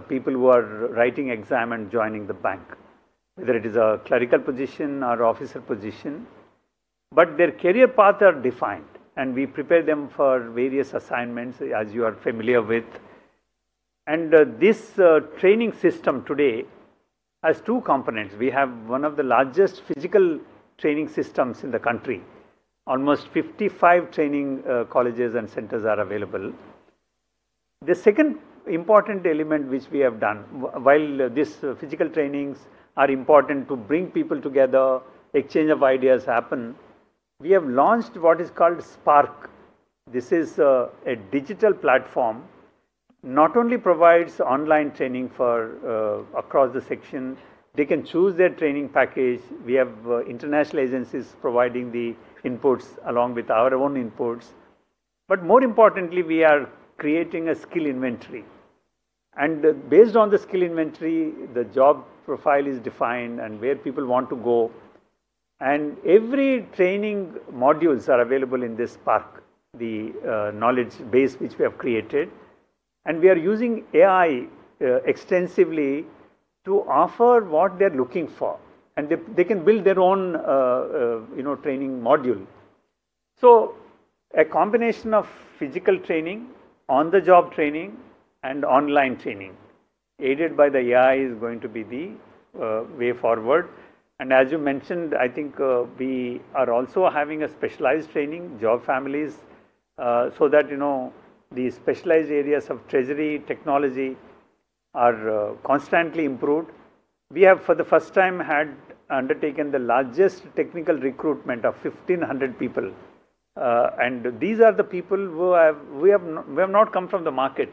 people who are writing exam and joining the bank, whether it is a clerical position or officer position. Their career paths are defined, and we prepare them for various assignments, as you are familiar with. This training system today has two components. We have one of the largest physical training systems in the country. Almost 55 training colleges and centers are available. The second important element which we have done, while these physical trainings are important to bring people together, exchange of ideas happen, we have launched what is called Spark. This is a digital platform. Not only provides online training for across the section, they can choose their training package. We have international agencies providing the inputs along with our own inputs. More importantly, we are creating a skill inventory. Based on the skill inventory, the job profile is defined and where people want to go. Every training module is available in this Spark, the knowledge base which we have created. We are using AI extensively to offer what they're looking for. They can build their own training module. A combination of physical training, on-the-job training, and online training aided by the AI is going to be the way forward. As you mentioned, I think we are also having a specialized training, job families, so that the specialized areas of treasury technology are constantly improved. We have, for the first time, undertaken the largest technical recruitment of 1,500 people. These are the people who have not come from the market.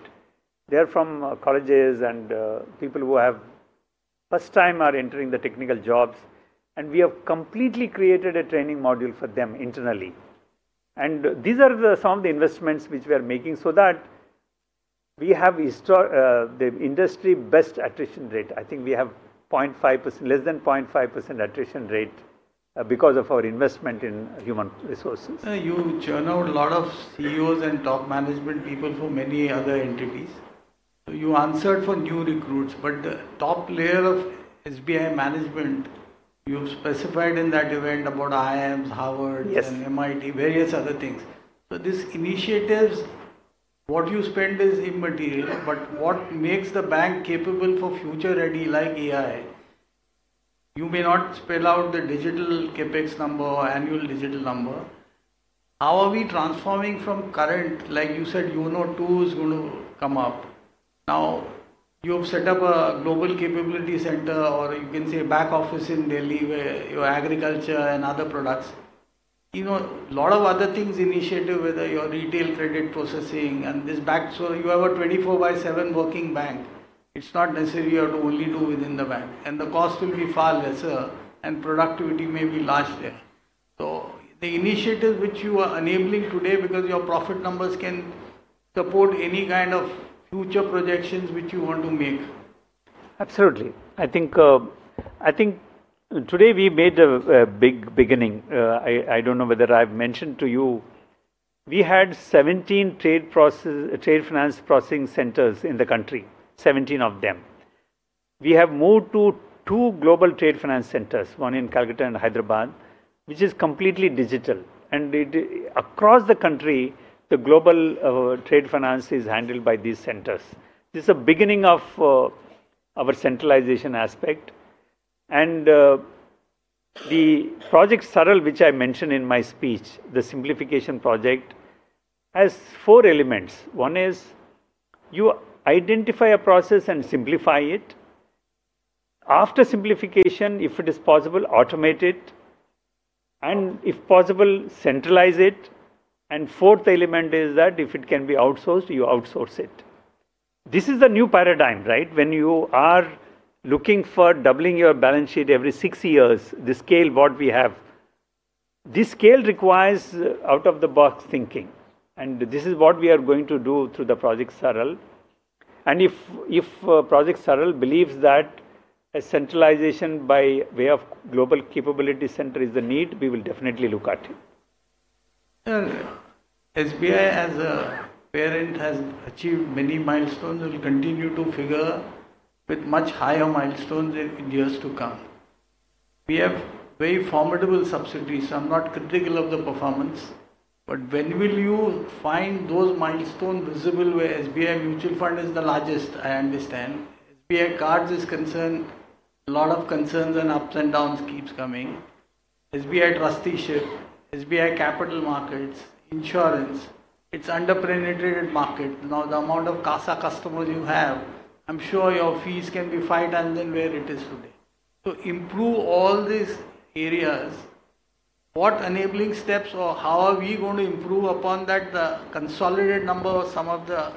They are from colleges and people who have first time are entering the technical jobs. We have completely created a training module for them internally. These are some of the investments which we are making so that we have the industry best attrition rate. I think we have 0.5%, less than 0.5% attrition rate because of our investment in human resources. You churn out a lot of CEOs and top management people from many other entities. You answered for new recruits. The top layer of SBI management, you specified in that event about IIMs, Harvard, and MIT, various other things. This initiative, what you spend is immaterial. What makes the bank capable for future ready like AI? You may not spell out the digital CapEx number or annual digital number. How are we transforming from current, like you said, YONO 2.0 is going to come up? Now you have set up a global capability center, or you can say a back office in Delhi where your agriculture and other products, a lot of other things initiative, whether your retail credit processing and this back. You have a 24 by 7 working bank. It's not necessary you have to only do within the bank. The cost will be far lesser and productivity may be large there. The initiative which you are enabling today because your profit numbers can support any kind of future projections which you want to make. Absolutely. I think today we made a big beginning. I don't know whether I've mentioned to you. We had 17 trade finance processing centers in the country, 17 of them. We have moved to two global trade finance centers, one in Calcutta and Hyderabad, which is completely digital. Across the country, the global trade finance is handled by these centers. This is the beginning of our centralization aspect. The Project SARL, which I mentioned in my speech, the simplification project, has four elements. One is you identify a process and simplify it. After simplification, if it is possible, automate it. If possible, centralize it. The fourth element is that if it can be outsourced, you outsource it. This is the new paradigm, right? When you are looking for doubling your balance sheet every six years, the scale what we have, this scale requires out-of-the-box thinking. This is what we are going to do through the Project SARL. If Project SARL believes that a centralization by way of global capability center is the need, we will definitely look at it. SBI as a parent has achieved many milestones. We will continue to figure with much higher milestones in years to come. We have very formidable subsidiaries. I'm not critical of the performance. When will you find those milestones visible where SBI Mutual Fund is the largest, I understand? As far as SBI Cards is concerned, a lot of concerns and ups and downs keep coming. SBI Trusteeship, SBI Capital Markets, insurance, it is underprivileged market. Now the amount of CASA customers you have, I'm sure your fees can be five times than where it is today. Improve all these areas. What enabling steps or how are we going to improve upon that? The consolidated number of some of the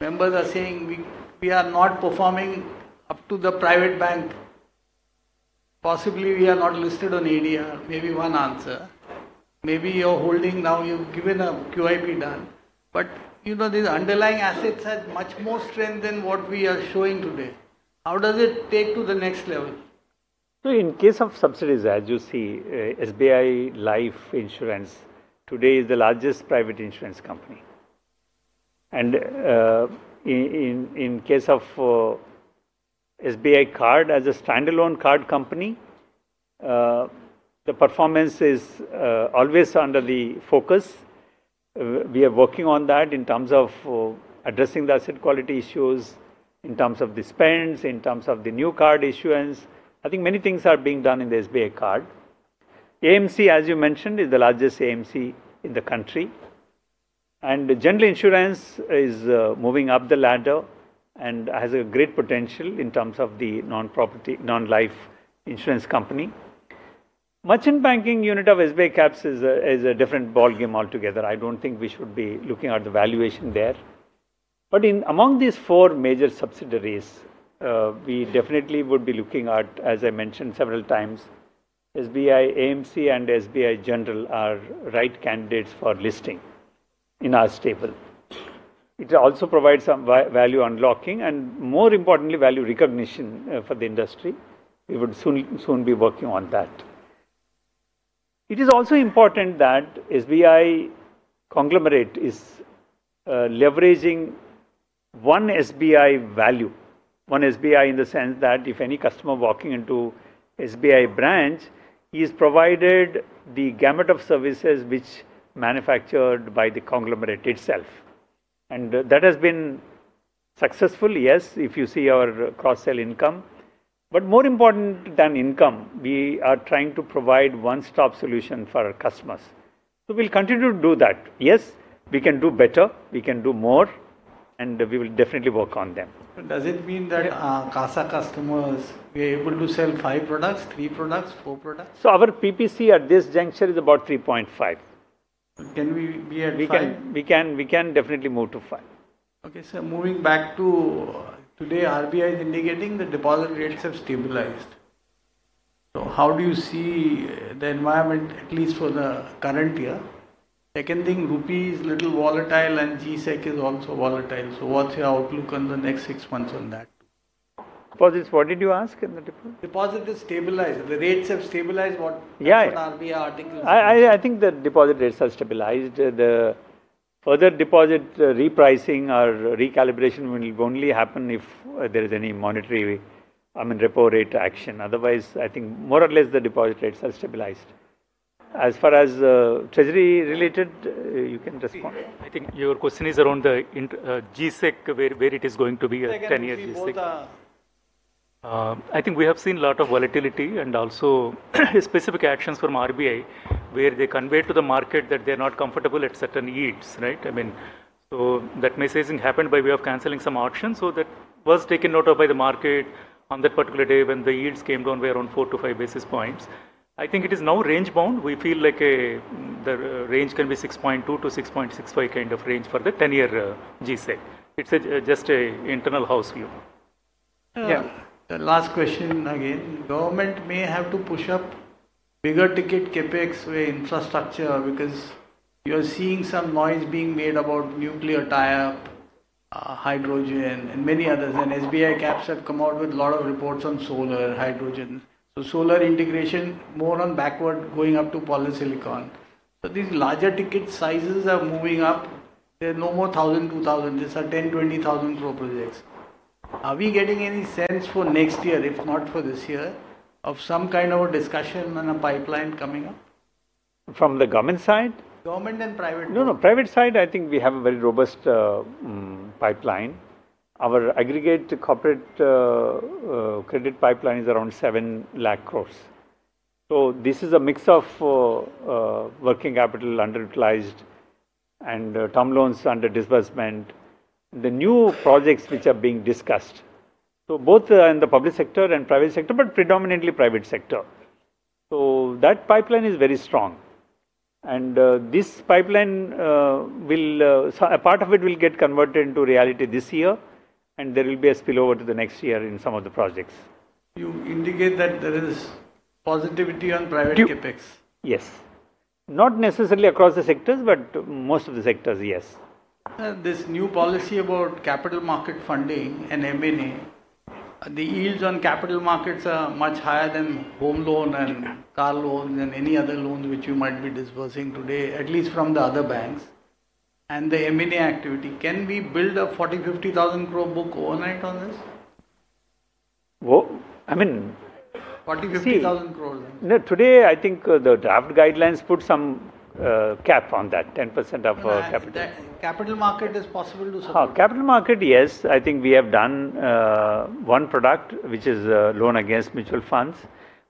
members are saying we are not performing up to the private bank. Possibly we are not listed on ADR. Maybe one answer. Maybe your holding now, you've given a QIP done. These underlying assets have much more strength than what we are showing today. How does it take to the next level? In case of subsidiaries, as you see, SBI Life Insurance today is the largest private insurance company. In case of SBI Card as a standalone card company, the performance is always under the focus. We are working on that in terms of addressing the asset quality issues, in terms of the spends, in terms of the new card issuance. I think many things are being done in the SBI Card. AMC, as you mentioned, is the largest AMC in the country. General Insurance is moving up the ladder and has a great potential in terms of the non-property, non-life insurance company. Merchant Banking Unit of SBI Caps is a different ballgame altogether. I do not think we should be looking at the valuation there. Among these four major subsidiaries, we definitely would be looking at, as I mentioned several times, SBI AMC and SBI General are right candidates for listing in our stable. It also provides some value unlocking and, more importantly, value recognition for the industry. We would soon be working on that. It is also important that SBI Conglomerate is leveraging one SBI value, one SBI in the sense that if any customer walking into SBI branch, he is provided the gamut of services which are manufactured by the conglomerate itself. That has been successful, yes, if you see our cross-sale income. More important than income, we are trying to provide one-stop solution for our customers. We will continue to do that. Yes, we can do better, we can do more, and we will definitely work on them. Does it mean that CASA customers, we are able to sell five products, three products, four products? Our PPC at this juncture is about 3.5. Can we be at five? We can definitely move to five. Okay. Moving back to today, RBI is indicating the deposit rates have stabilized. How do you see the environment, at least for the current year? Second thing, rupee is a little volatile and G-Sec is also volatile. What's your outlook on the next six months on that? Deposits, what did you ask in the deposit? Deposit is stabilized. The rates have stabilized on RBI articles. Yeah. I think the deposit rates are stabilized. The further deposit repricing or recalibration will only happen if there is any monetary, I mean, repo rate action. Otherwise, I think more or less the deposit rates are stabilized. As far as treasury related, you can respond. I think your question is around the G-Sec, where it is going to be a 10-year G-Sec. I think we have seen a lot of volatility and also specific actions from RBI where they convey to the market that they are not comfortable at certain yields, right? I mean, that messaging happened by way of canceling some auctions. That was taken note of by the market on that particular day when the yields came down by around 4 basis points to 5 basis points. I think it is now range bound. We feel like the range can be 6.2 basis points-6.65 basis points kind of range for the 10-year G-Sec. It's just an internal house view. Last question again. Government may have to push up bigger ticket CapEx infrastructure because you are seeing some noise being made about nuclear tie-up, hydrogen, and many others. SBI Caps have come out with a lot of reports on solar, hydrogen. Solar integration more on backward going up to polysilicon. These larger ticket sizes are moving up. They are no more 1,000, 2,000. These are 10,000 crore-20,000 crore projects. Are we getting any sense for next year, if not for this year, of some kind of a discussion and a pipeline coming up? From the government side? Government and private? No, no. Private side, I think we have a very robust pipeline. Our aggregate corporate credit pipeline is around 7 lakh crore. This is a mix of working capital underutilized and term loans under disbursement. The new projects which are being discussed, both in the public sector and private sector, but predominantly private sector. That pipeline is very strong. This pipeline, a part of it will get converted into reality this year, and there will be a spillover to the next year in some of the projects. You indicate that there is positivity on private CapEx. Yes. Not necessarily across the sectors, but most of the sectors, yes. This new policy about capital market funding and M&A. The yields on capital markets are much higher than home loan and car loans and any other loans which you might be disbursing today, at least from the other banks. The M&A activity, can we build a 40,000 crore-50,000 crore book overnight on this? I mean. 40,000 crore-50,000 crore. No, today I think the draft guidelines put some cap on that, 10% of capital. Capital market is possible to support. Capital market, yes. I think we have done. One product, which is loan against mutual funds.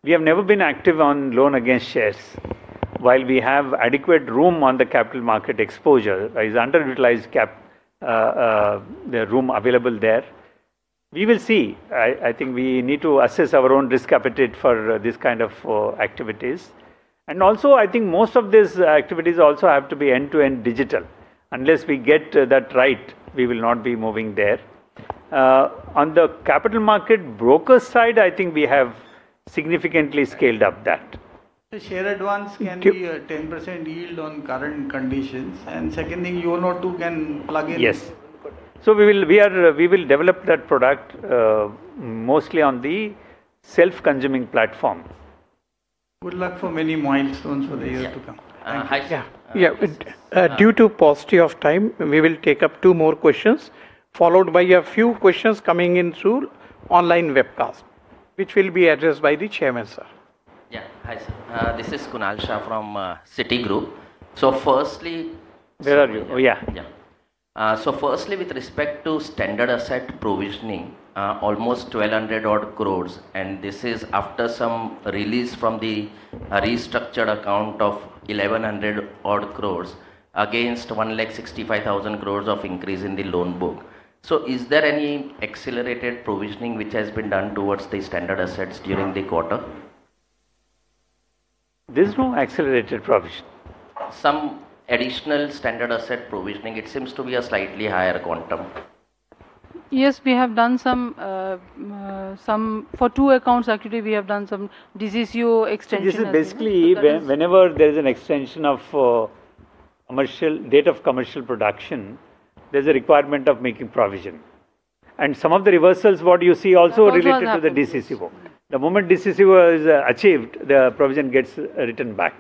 We have never been active on loan against shares. While we have adequate room on the capital market exposure, there is underutilized room available there. We will see. I think we need to assess our own risk appetite for this kind of activities. Also, I think most of these activities also have to be end-to-end digital. Unless we get that right, we will not be moving there. On the capital market broker side, I think we have significantly scaled up that. The share advance can be 10% yield on current conditions. The second thing, YONO 2.0 can plug in. Yes. We will develop that product. Mostly on the self-consuming platform. Good luck for many milestones for the years to come. Yeah. Due to positive time, we will take up two more questions, followed by a few questions coming in through online webcast, which will be addressed by the Chairman, sir. Yeah. Hi, sir. This is Kunal Shah from Citigroup. So firstly. Where are you? Oh, yeah. Firstly, with respect to standard asset provisioning, almost 1,200 crore. This is after some release from the restructured account of 1,100 crore against 1.65 lakh crore of increase in the loan book. Is there any accelerated provisioning which has been done towards the standard assets during the quarter? There's no accelerated provision. Some additional standard asset provisioning, it seems to be a slightly higher quantum. Yes, we have done some. For two accounts, actually, we have done some DCCO extension. Basically, whenever there is an extension of date of commencement of commercial operations, there's a requirement of making provision. And some of the reversals, what you see, also related to the DCCO. The moment DCCO is achieved, the provision gets written back.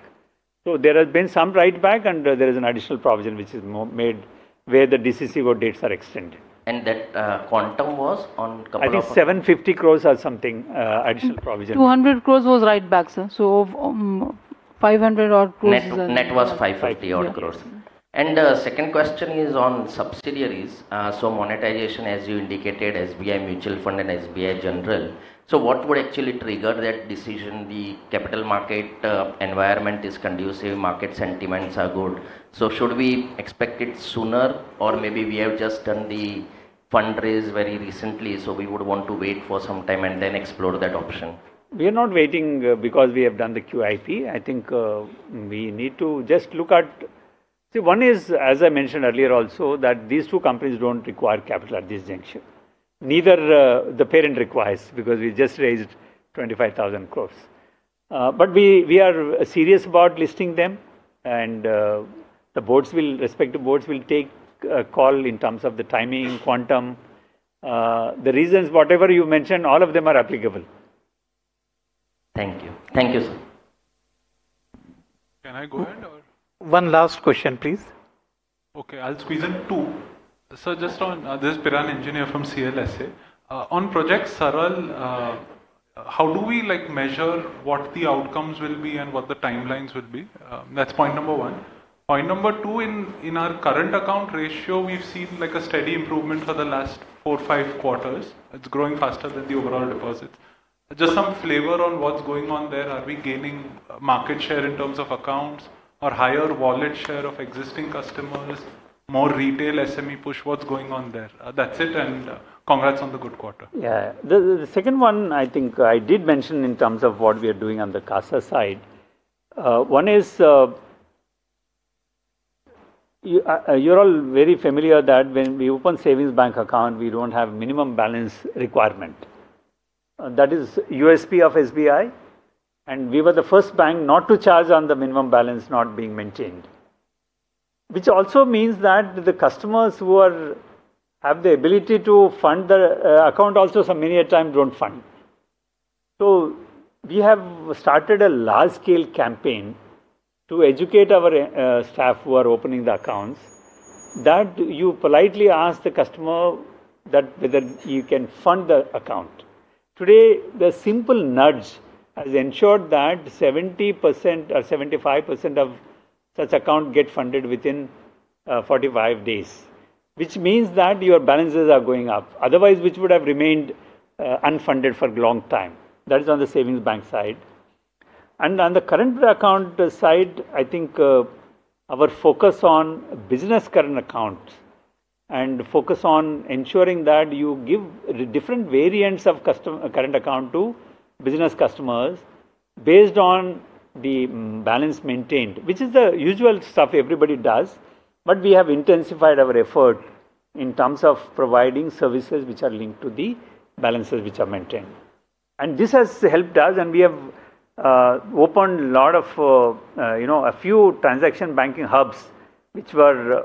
So there has been some write-back and there is an additional provision which is made where the DCCO dates are extended. That quantum was on. I think 750 crore or something, additional provision. 200 crore was write-back, sir. So, 500-odd crore. Net was 550 crore. The second question is on subsidiaries. Monetization, as you indicated, SBI Mutual Fund and SBI General. What would actually trigger that decision? The capital market environment is conducive. Market sentiments are good. Should we expect it sooner or maybe we have just done the fundraise very recently, so we would want to wait for some time and then explore that option? We are not waiting because we have done the QIP. I think we need to just look at. See, one is, as I mentioned earlier also, that these two companies do not require capital at this juncture. Neither the parent requires because we just raised 25,000 crore. We are serious about listing them. The respective boards will take a call in terms of the timing, quantum. The reasons, whatever you mentioned, all of them are applicable. Thank you. Thank you, sir. Can I go ahead or? One last question, please. Okay. I'll squeeze in two. Sir, just on, this is Piran Engineer from CLSA. On Project SARL. How do we measure what the outcomes will be and what the timelines will be? That's point number one. Point number two, in our current account ratio, we've seen a steady improvement for the last four, five quarters. It's growing faster than the overall deposits. Just some flavor on what's going on there. Are we gaining market share in terms of accounts or higher wallet share of existing customers, more retail SME push? What's going on there? That's it. And congrats on the good quarter. Yeah. The second one, I think I did mention in terms of what we are doing on the CASA side. One is, you're all very familiar that when we open savings bank account, we don't have minimum balance requirement. That is USP of SBI. And we were the first bank not to charge on the minimum balance not being maintained. Which also means that the customers who have the ability to fund the account also, so many a time, don't fund. We have started a large-scale campaign to educate our staff who are opening the accounts that you politely ask the customer whether you can fund the account. Today, the simple nudge has ensured that 70% or 75% of such account get funded within 45 days, which means that your balances are going up, otherwise which would have remained unfunded for a long time. That is on the savings bank side. On the current account side, I think our focus on business current accounts and focus on ensuring that you give different variants of current account to business customers based on the balance maintained, which is the usual stuff everybody does. We have intensified our effort in terms of providing services which are linked to the balances which are maintained. This has helped us and we have opened a lot of, a few transaction banking hubs which were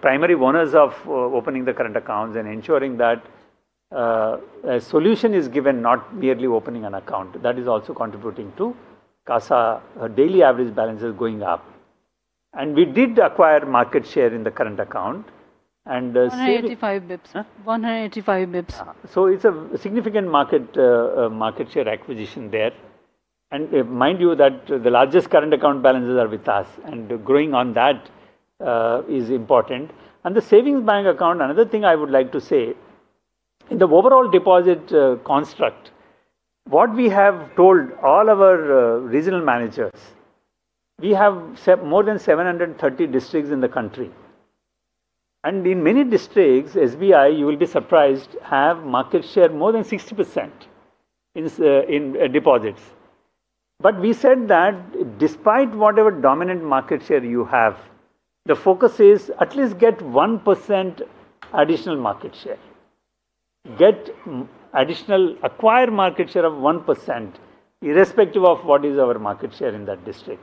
primary owners of opening the current accounts and ensuring that a solution is given, not merely opening an account. That is also contributing to CASA daily average balances going up. We did acquire market share in the current account. 185 basis points. 185 basis points. It is a significant market. Share acquisition there. Mind you that the largest current account balances are with us. Growing on that is important. The savings bank account, another thing I would like to say. In the overall deposit construct, what we have told all of our regional managers, we have more than 730 districts in the country. In many districts, SBI, you will be surprised, has market share more than 60% in deposits. We said that despite whatever dominant market share you have, the focus is at least get 1% additional market share. Get additional, acquire market share of 1%, irrespective of what is our market share in that district.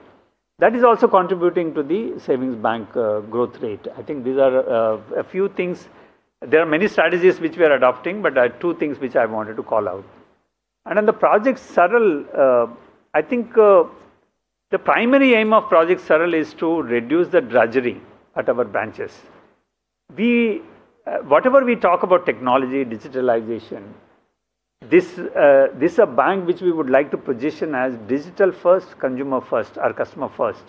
That is also contributing to the savings bank growth rate. I think these are a few things. There are many strategies which we are adopting, but two things which I wanted to call out. On Project SARL, I think the primary aim of Project SARL is to reduce the drudgery at our branches. Whatever we talk about technology, digitalization, this is a bank which we would like to position as digital first, consumer first, our customer first,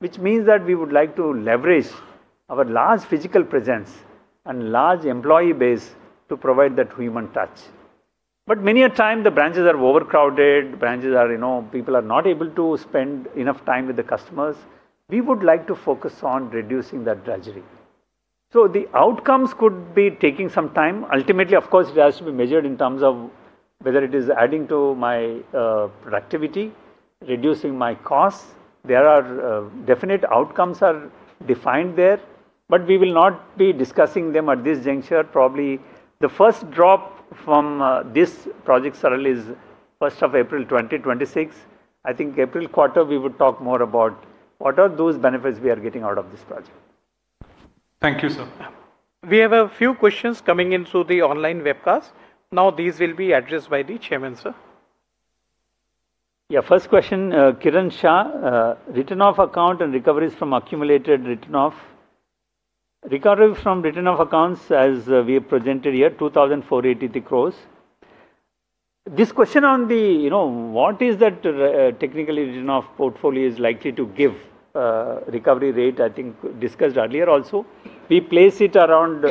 which means that we would like to leverage our large physical presence and large employee base to provide that human touch. Many a time the branches are overcrowded, people are not able to spend enough time with the customers. We would like to focus on reducing that drudgery. The outcomes could be taking some time. Ultimately, of course, it has to be measured in terms of whether it is adding to my productivity, reducing my costs. There are definite outcomes defined there. We will not be discussing them at this juncture. Probably the first drop from this Project SARL is 1st April 2026. I think April quarter, we would talk more about what are those benefits we are getting out of this project. Thank you, sir. We have a few questions coming into the online webcast. Now these will be addressed by the Chairman, sir. Yeah. First question, Kiran Shah. Return of account and recoveries from accumulated return of. Recovery from return of accounts as we have presented here, 2,483 crore. This question on the. What is that technically return of portfolio is likely to give recovery rate, I think discussed earlier also. We place it around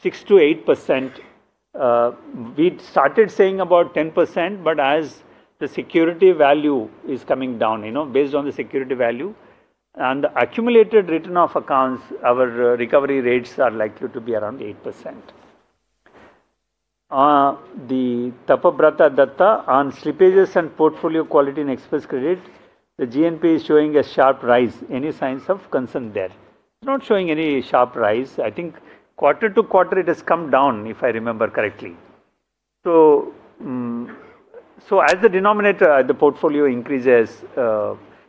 6-8%. We started saying about 10%, but as the security value is coming down, based on the security value, on the accumulated return of accounts, our recovery rates are likely to be around 8%. The Tapabrata Dutta on slippages and portfolio quality and Xpress Credit, the GNPA is showing a sharp rise. Any signs of concern there? It's not showing any sharp rise. I think quarter to quarter it has come down, if I remember correctly. As the denominator, the portfolio increases.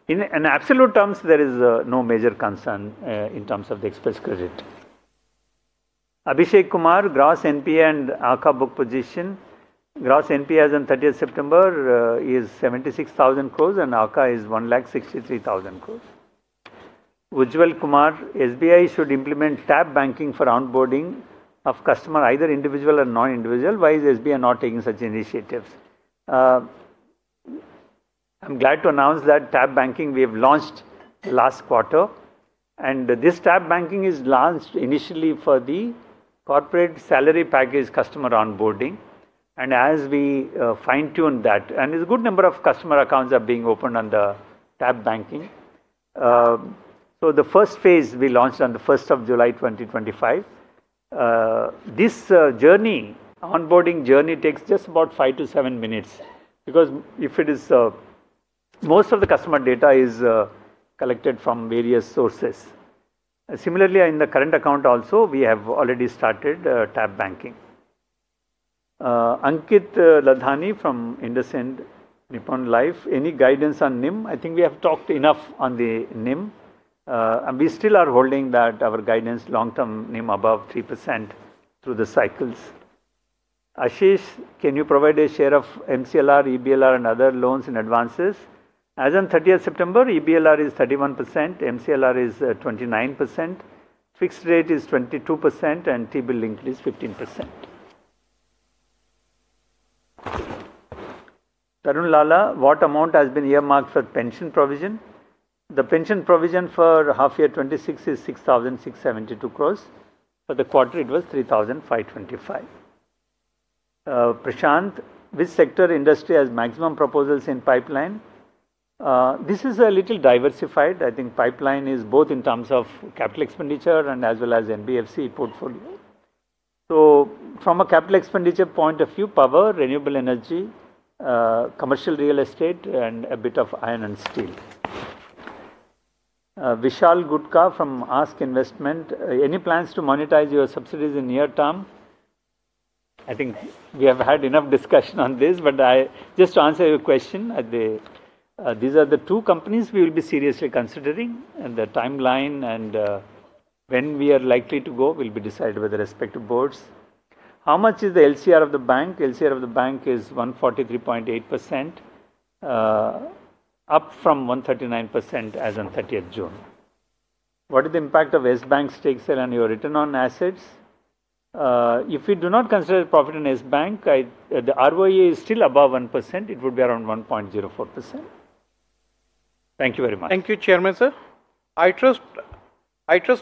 In absolute terms, there is no major concern in terms of the Xpress Credit. Abhishek Kumar, Gross NP and ACA book position. Gross NP as of 30th September is 76,000 crore and ACA is 1.63 lakh crore. Ujjwal Kumar, SBI should implement tap banking for onboarding of customer, either individual or non-individual. Why is SBI not taking such initiatives? I'm glad to announce that tap banking we have launched last quarter. And this tap banking is launched initially for the corporate salary package customer onboarding. And as we fine-tune that, and a good number of customer accounts are being opened on the tap banking. The first phase we launched on the 1st of July 2025. This journey, onboarding journey takes just about five to seven minutes because if it is. Most of the customer data is collected from various sources. Similarly, in the current account also, we have already started tap banking. Ankit Ladhani from IndusInd Nippon Life, any guidance on NIM? I think we have talked enough on the NIM. And we still are holding that our guidance long-term NIM above 3% through the cycles. Ashish, can you provide a share of MCLR, EBLR, and other loans in advances? As of 30th September, EBLR is 31%, MCLR is 29%, fixed rate is 22%, and T-bill increase 15%. Tarunlala, what amount has been earmarked for pension provision? The pension provision for half year 2026 is 6,672 crore. For the quarter, it was 3,525 crore. Prashant, which sector industry has maximum proposals in pipeline? This is a little diversified. I think pipeline is both in terms of capital expenditure and as well as NBFC portfolio. From a capital expenditure point of view, power, renewable energy, commercial real estate, and a bit of iron and steel. Vishal Gutka from ASK Investment, any plans to monetize your subsidiaries in near term? I think we have had enough discussion on this, but just to answer your question. These are the two companies we will be seriously considering. The timeline and when we are likely to go will be decided by the respective boards. How much is the LCR of the bank? LCR of the bank is 143.8%. Up from 139% as of 30 June. What is the impact of Yes Bank stake sale on your return on assets? If we do not consider profit in Yes Bank, the ROE is still above 1%. It would be around 1.04%. Thank you very much. Thank you, Chairman. Sir, I trust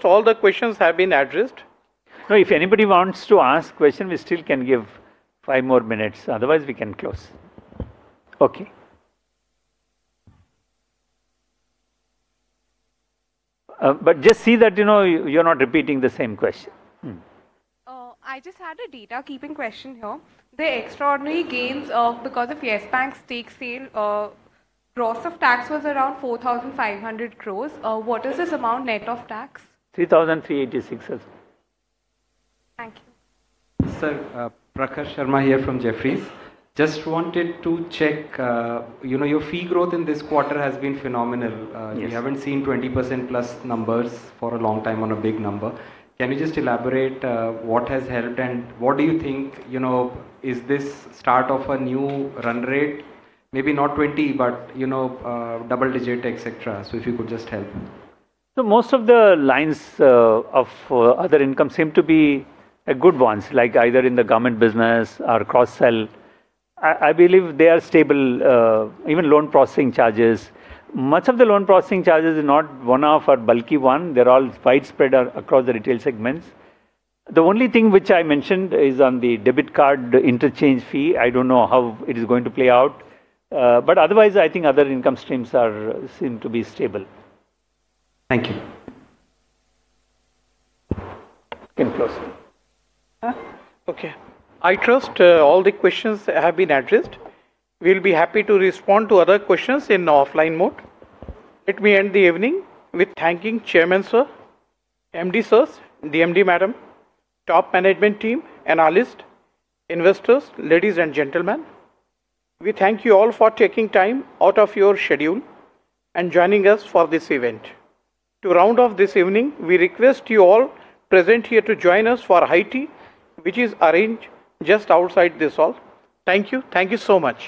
all the questions have been addressed. No, if anybody wants to ask a question, we still can give five more minutes. Otherwise, we can close. Okay. Just see that you're not repeating the same question. I just had a data keeping question here. The extraordinary gains because of Yes Bank stake sale. Gross of tax was around 4,500 crore. What is this amount net of tax? 3,386 crore. Thank you. Sir, Prakash Sharma here from Jefferies. Just wanted to check. Your fee growth in this quarter has been phenomenal. We have not seen 20% plus numbers for a long time on a big number. Can you just elaborate what has helped and what do you think? Is this start of a new run rate? Maybe not 20, but double digit, etc. If you could just help. Most of the lines of other income seem to be good ones, like either in the government business or cross-sell. I believe they are stable, even loan processing charges. Much of the loan processing charges is not one-off or bulky one. They are all widespread across the retail segments. The only thing which I mentioned is on the debit card interchange fee. I do not know how it is going to play out. Otherwise, I think other income streams seem to be stable. Thank you. You can close. Okay. I trust all the questions have been addressed. We'll be happy to respond to other questions in offline mode. Let me end the evening with thanking Chairman, Sir, MD, Sir, DMD Madam, top management team, analysts, investors, ladies and gentlemen. We thank you all for taking time out of your schedule and joining us for this event. To round off this evening, we request you all present here to join us for HITI, which is arranged just outside this hall. Thank you. Thank you so much.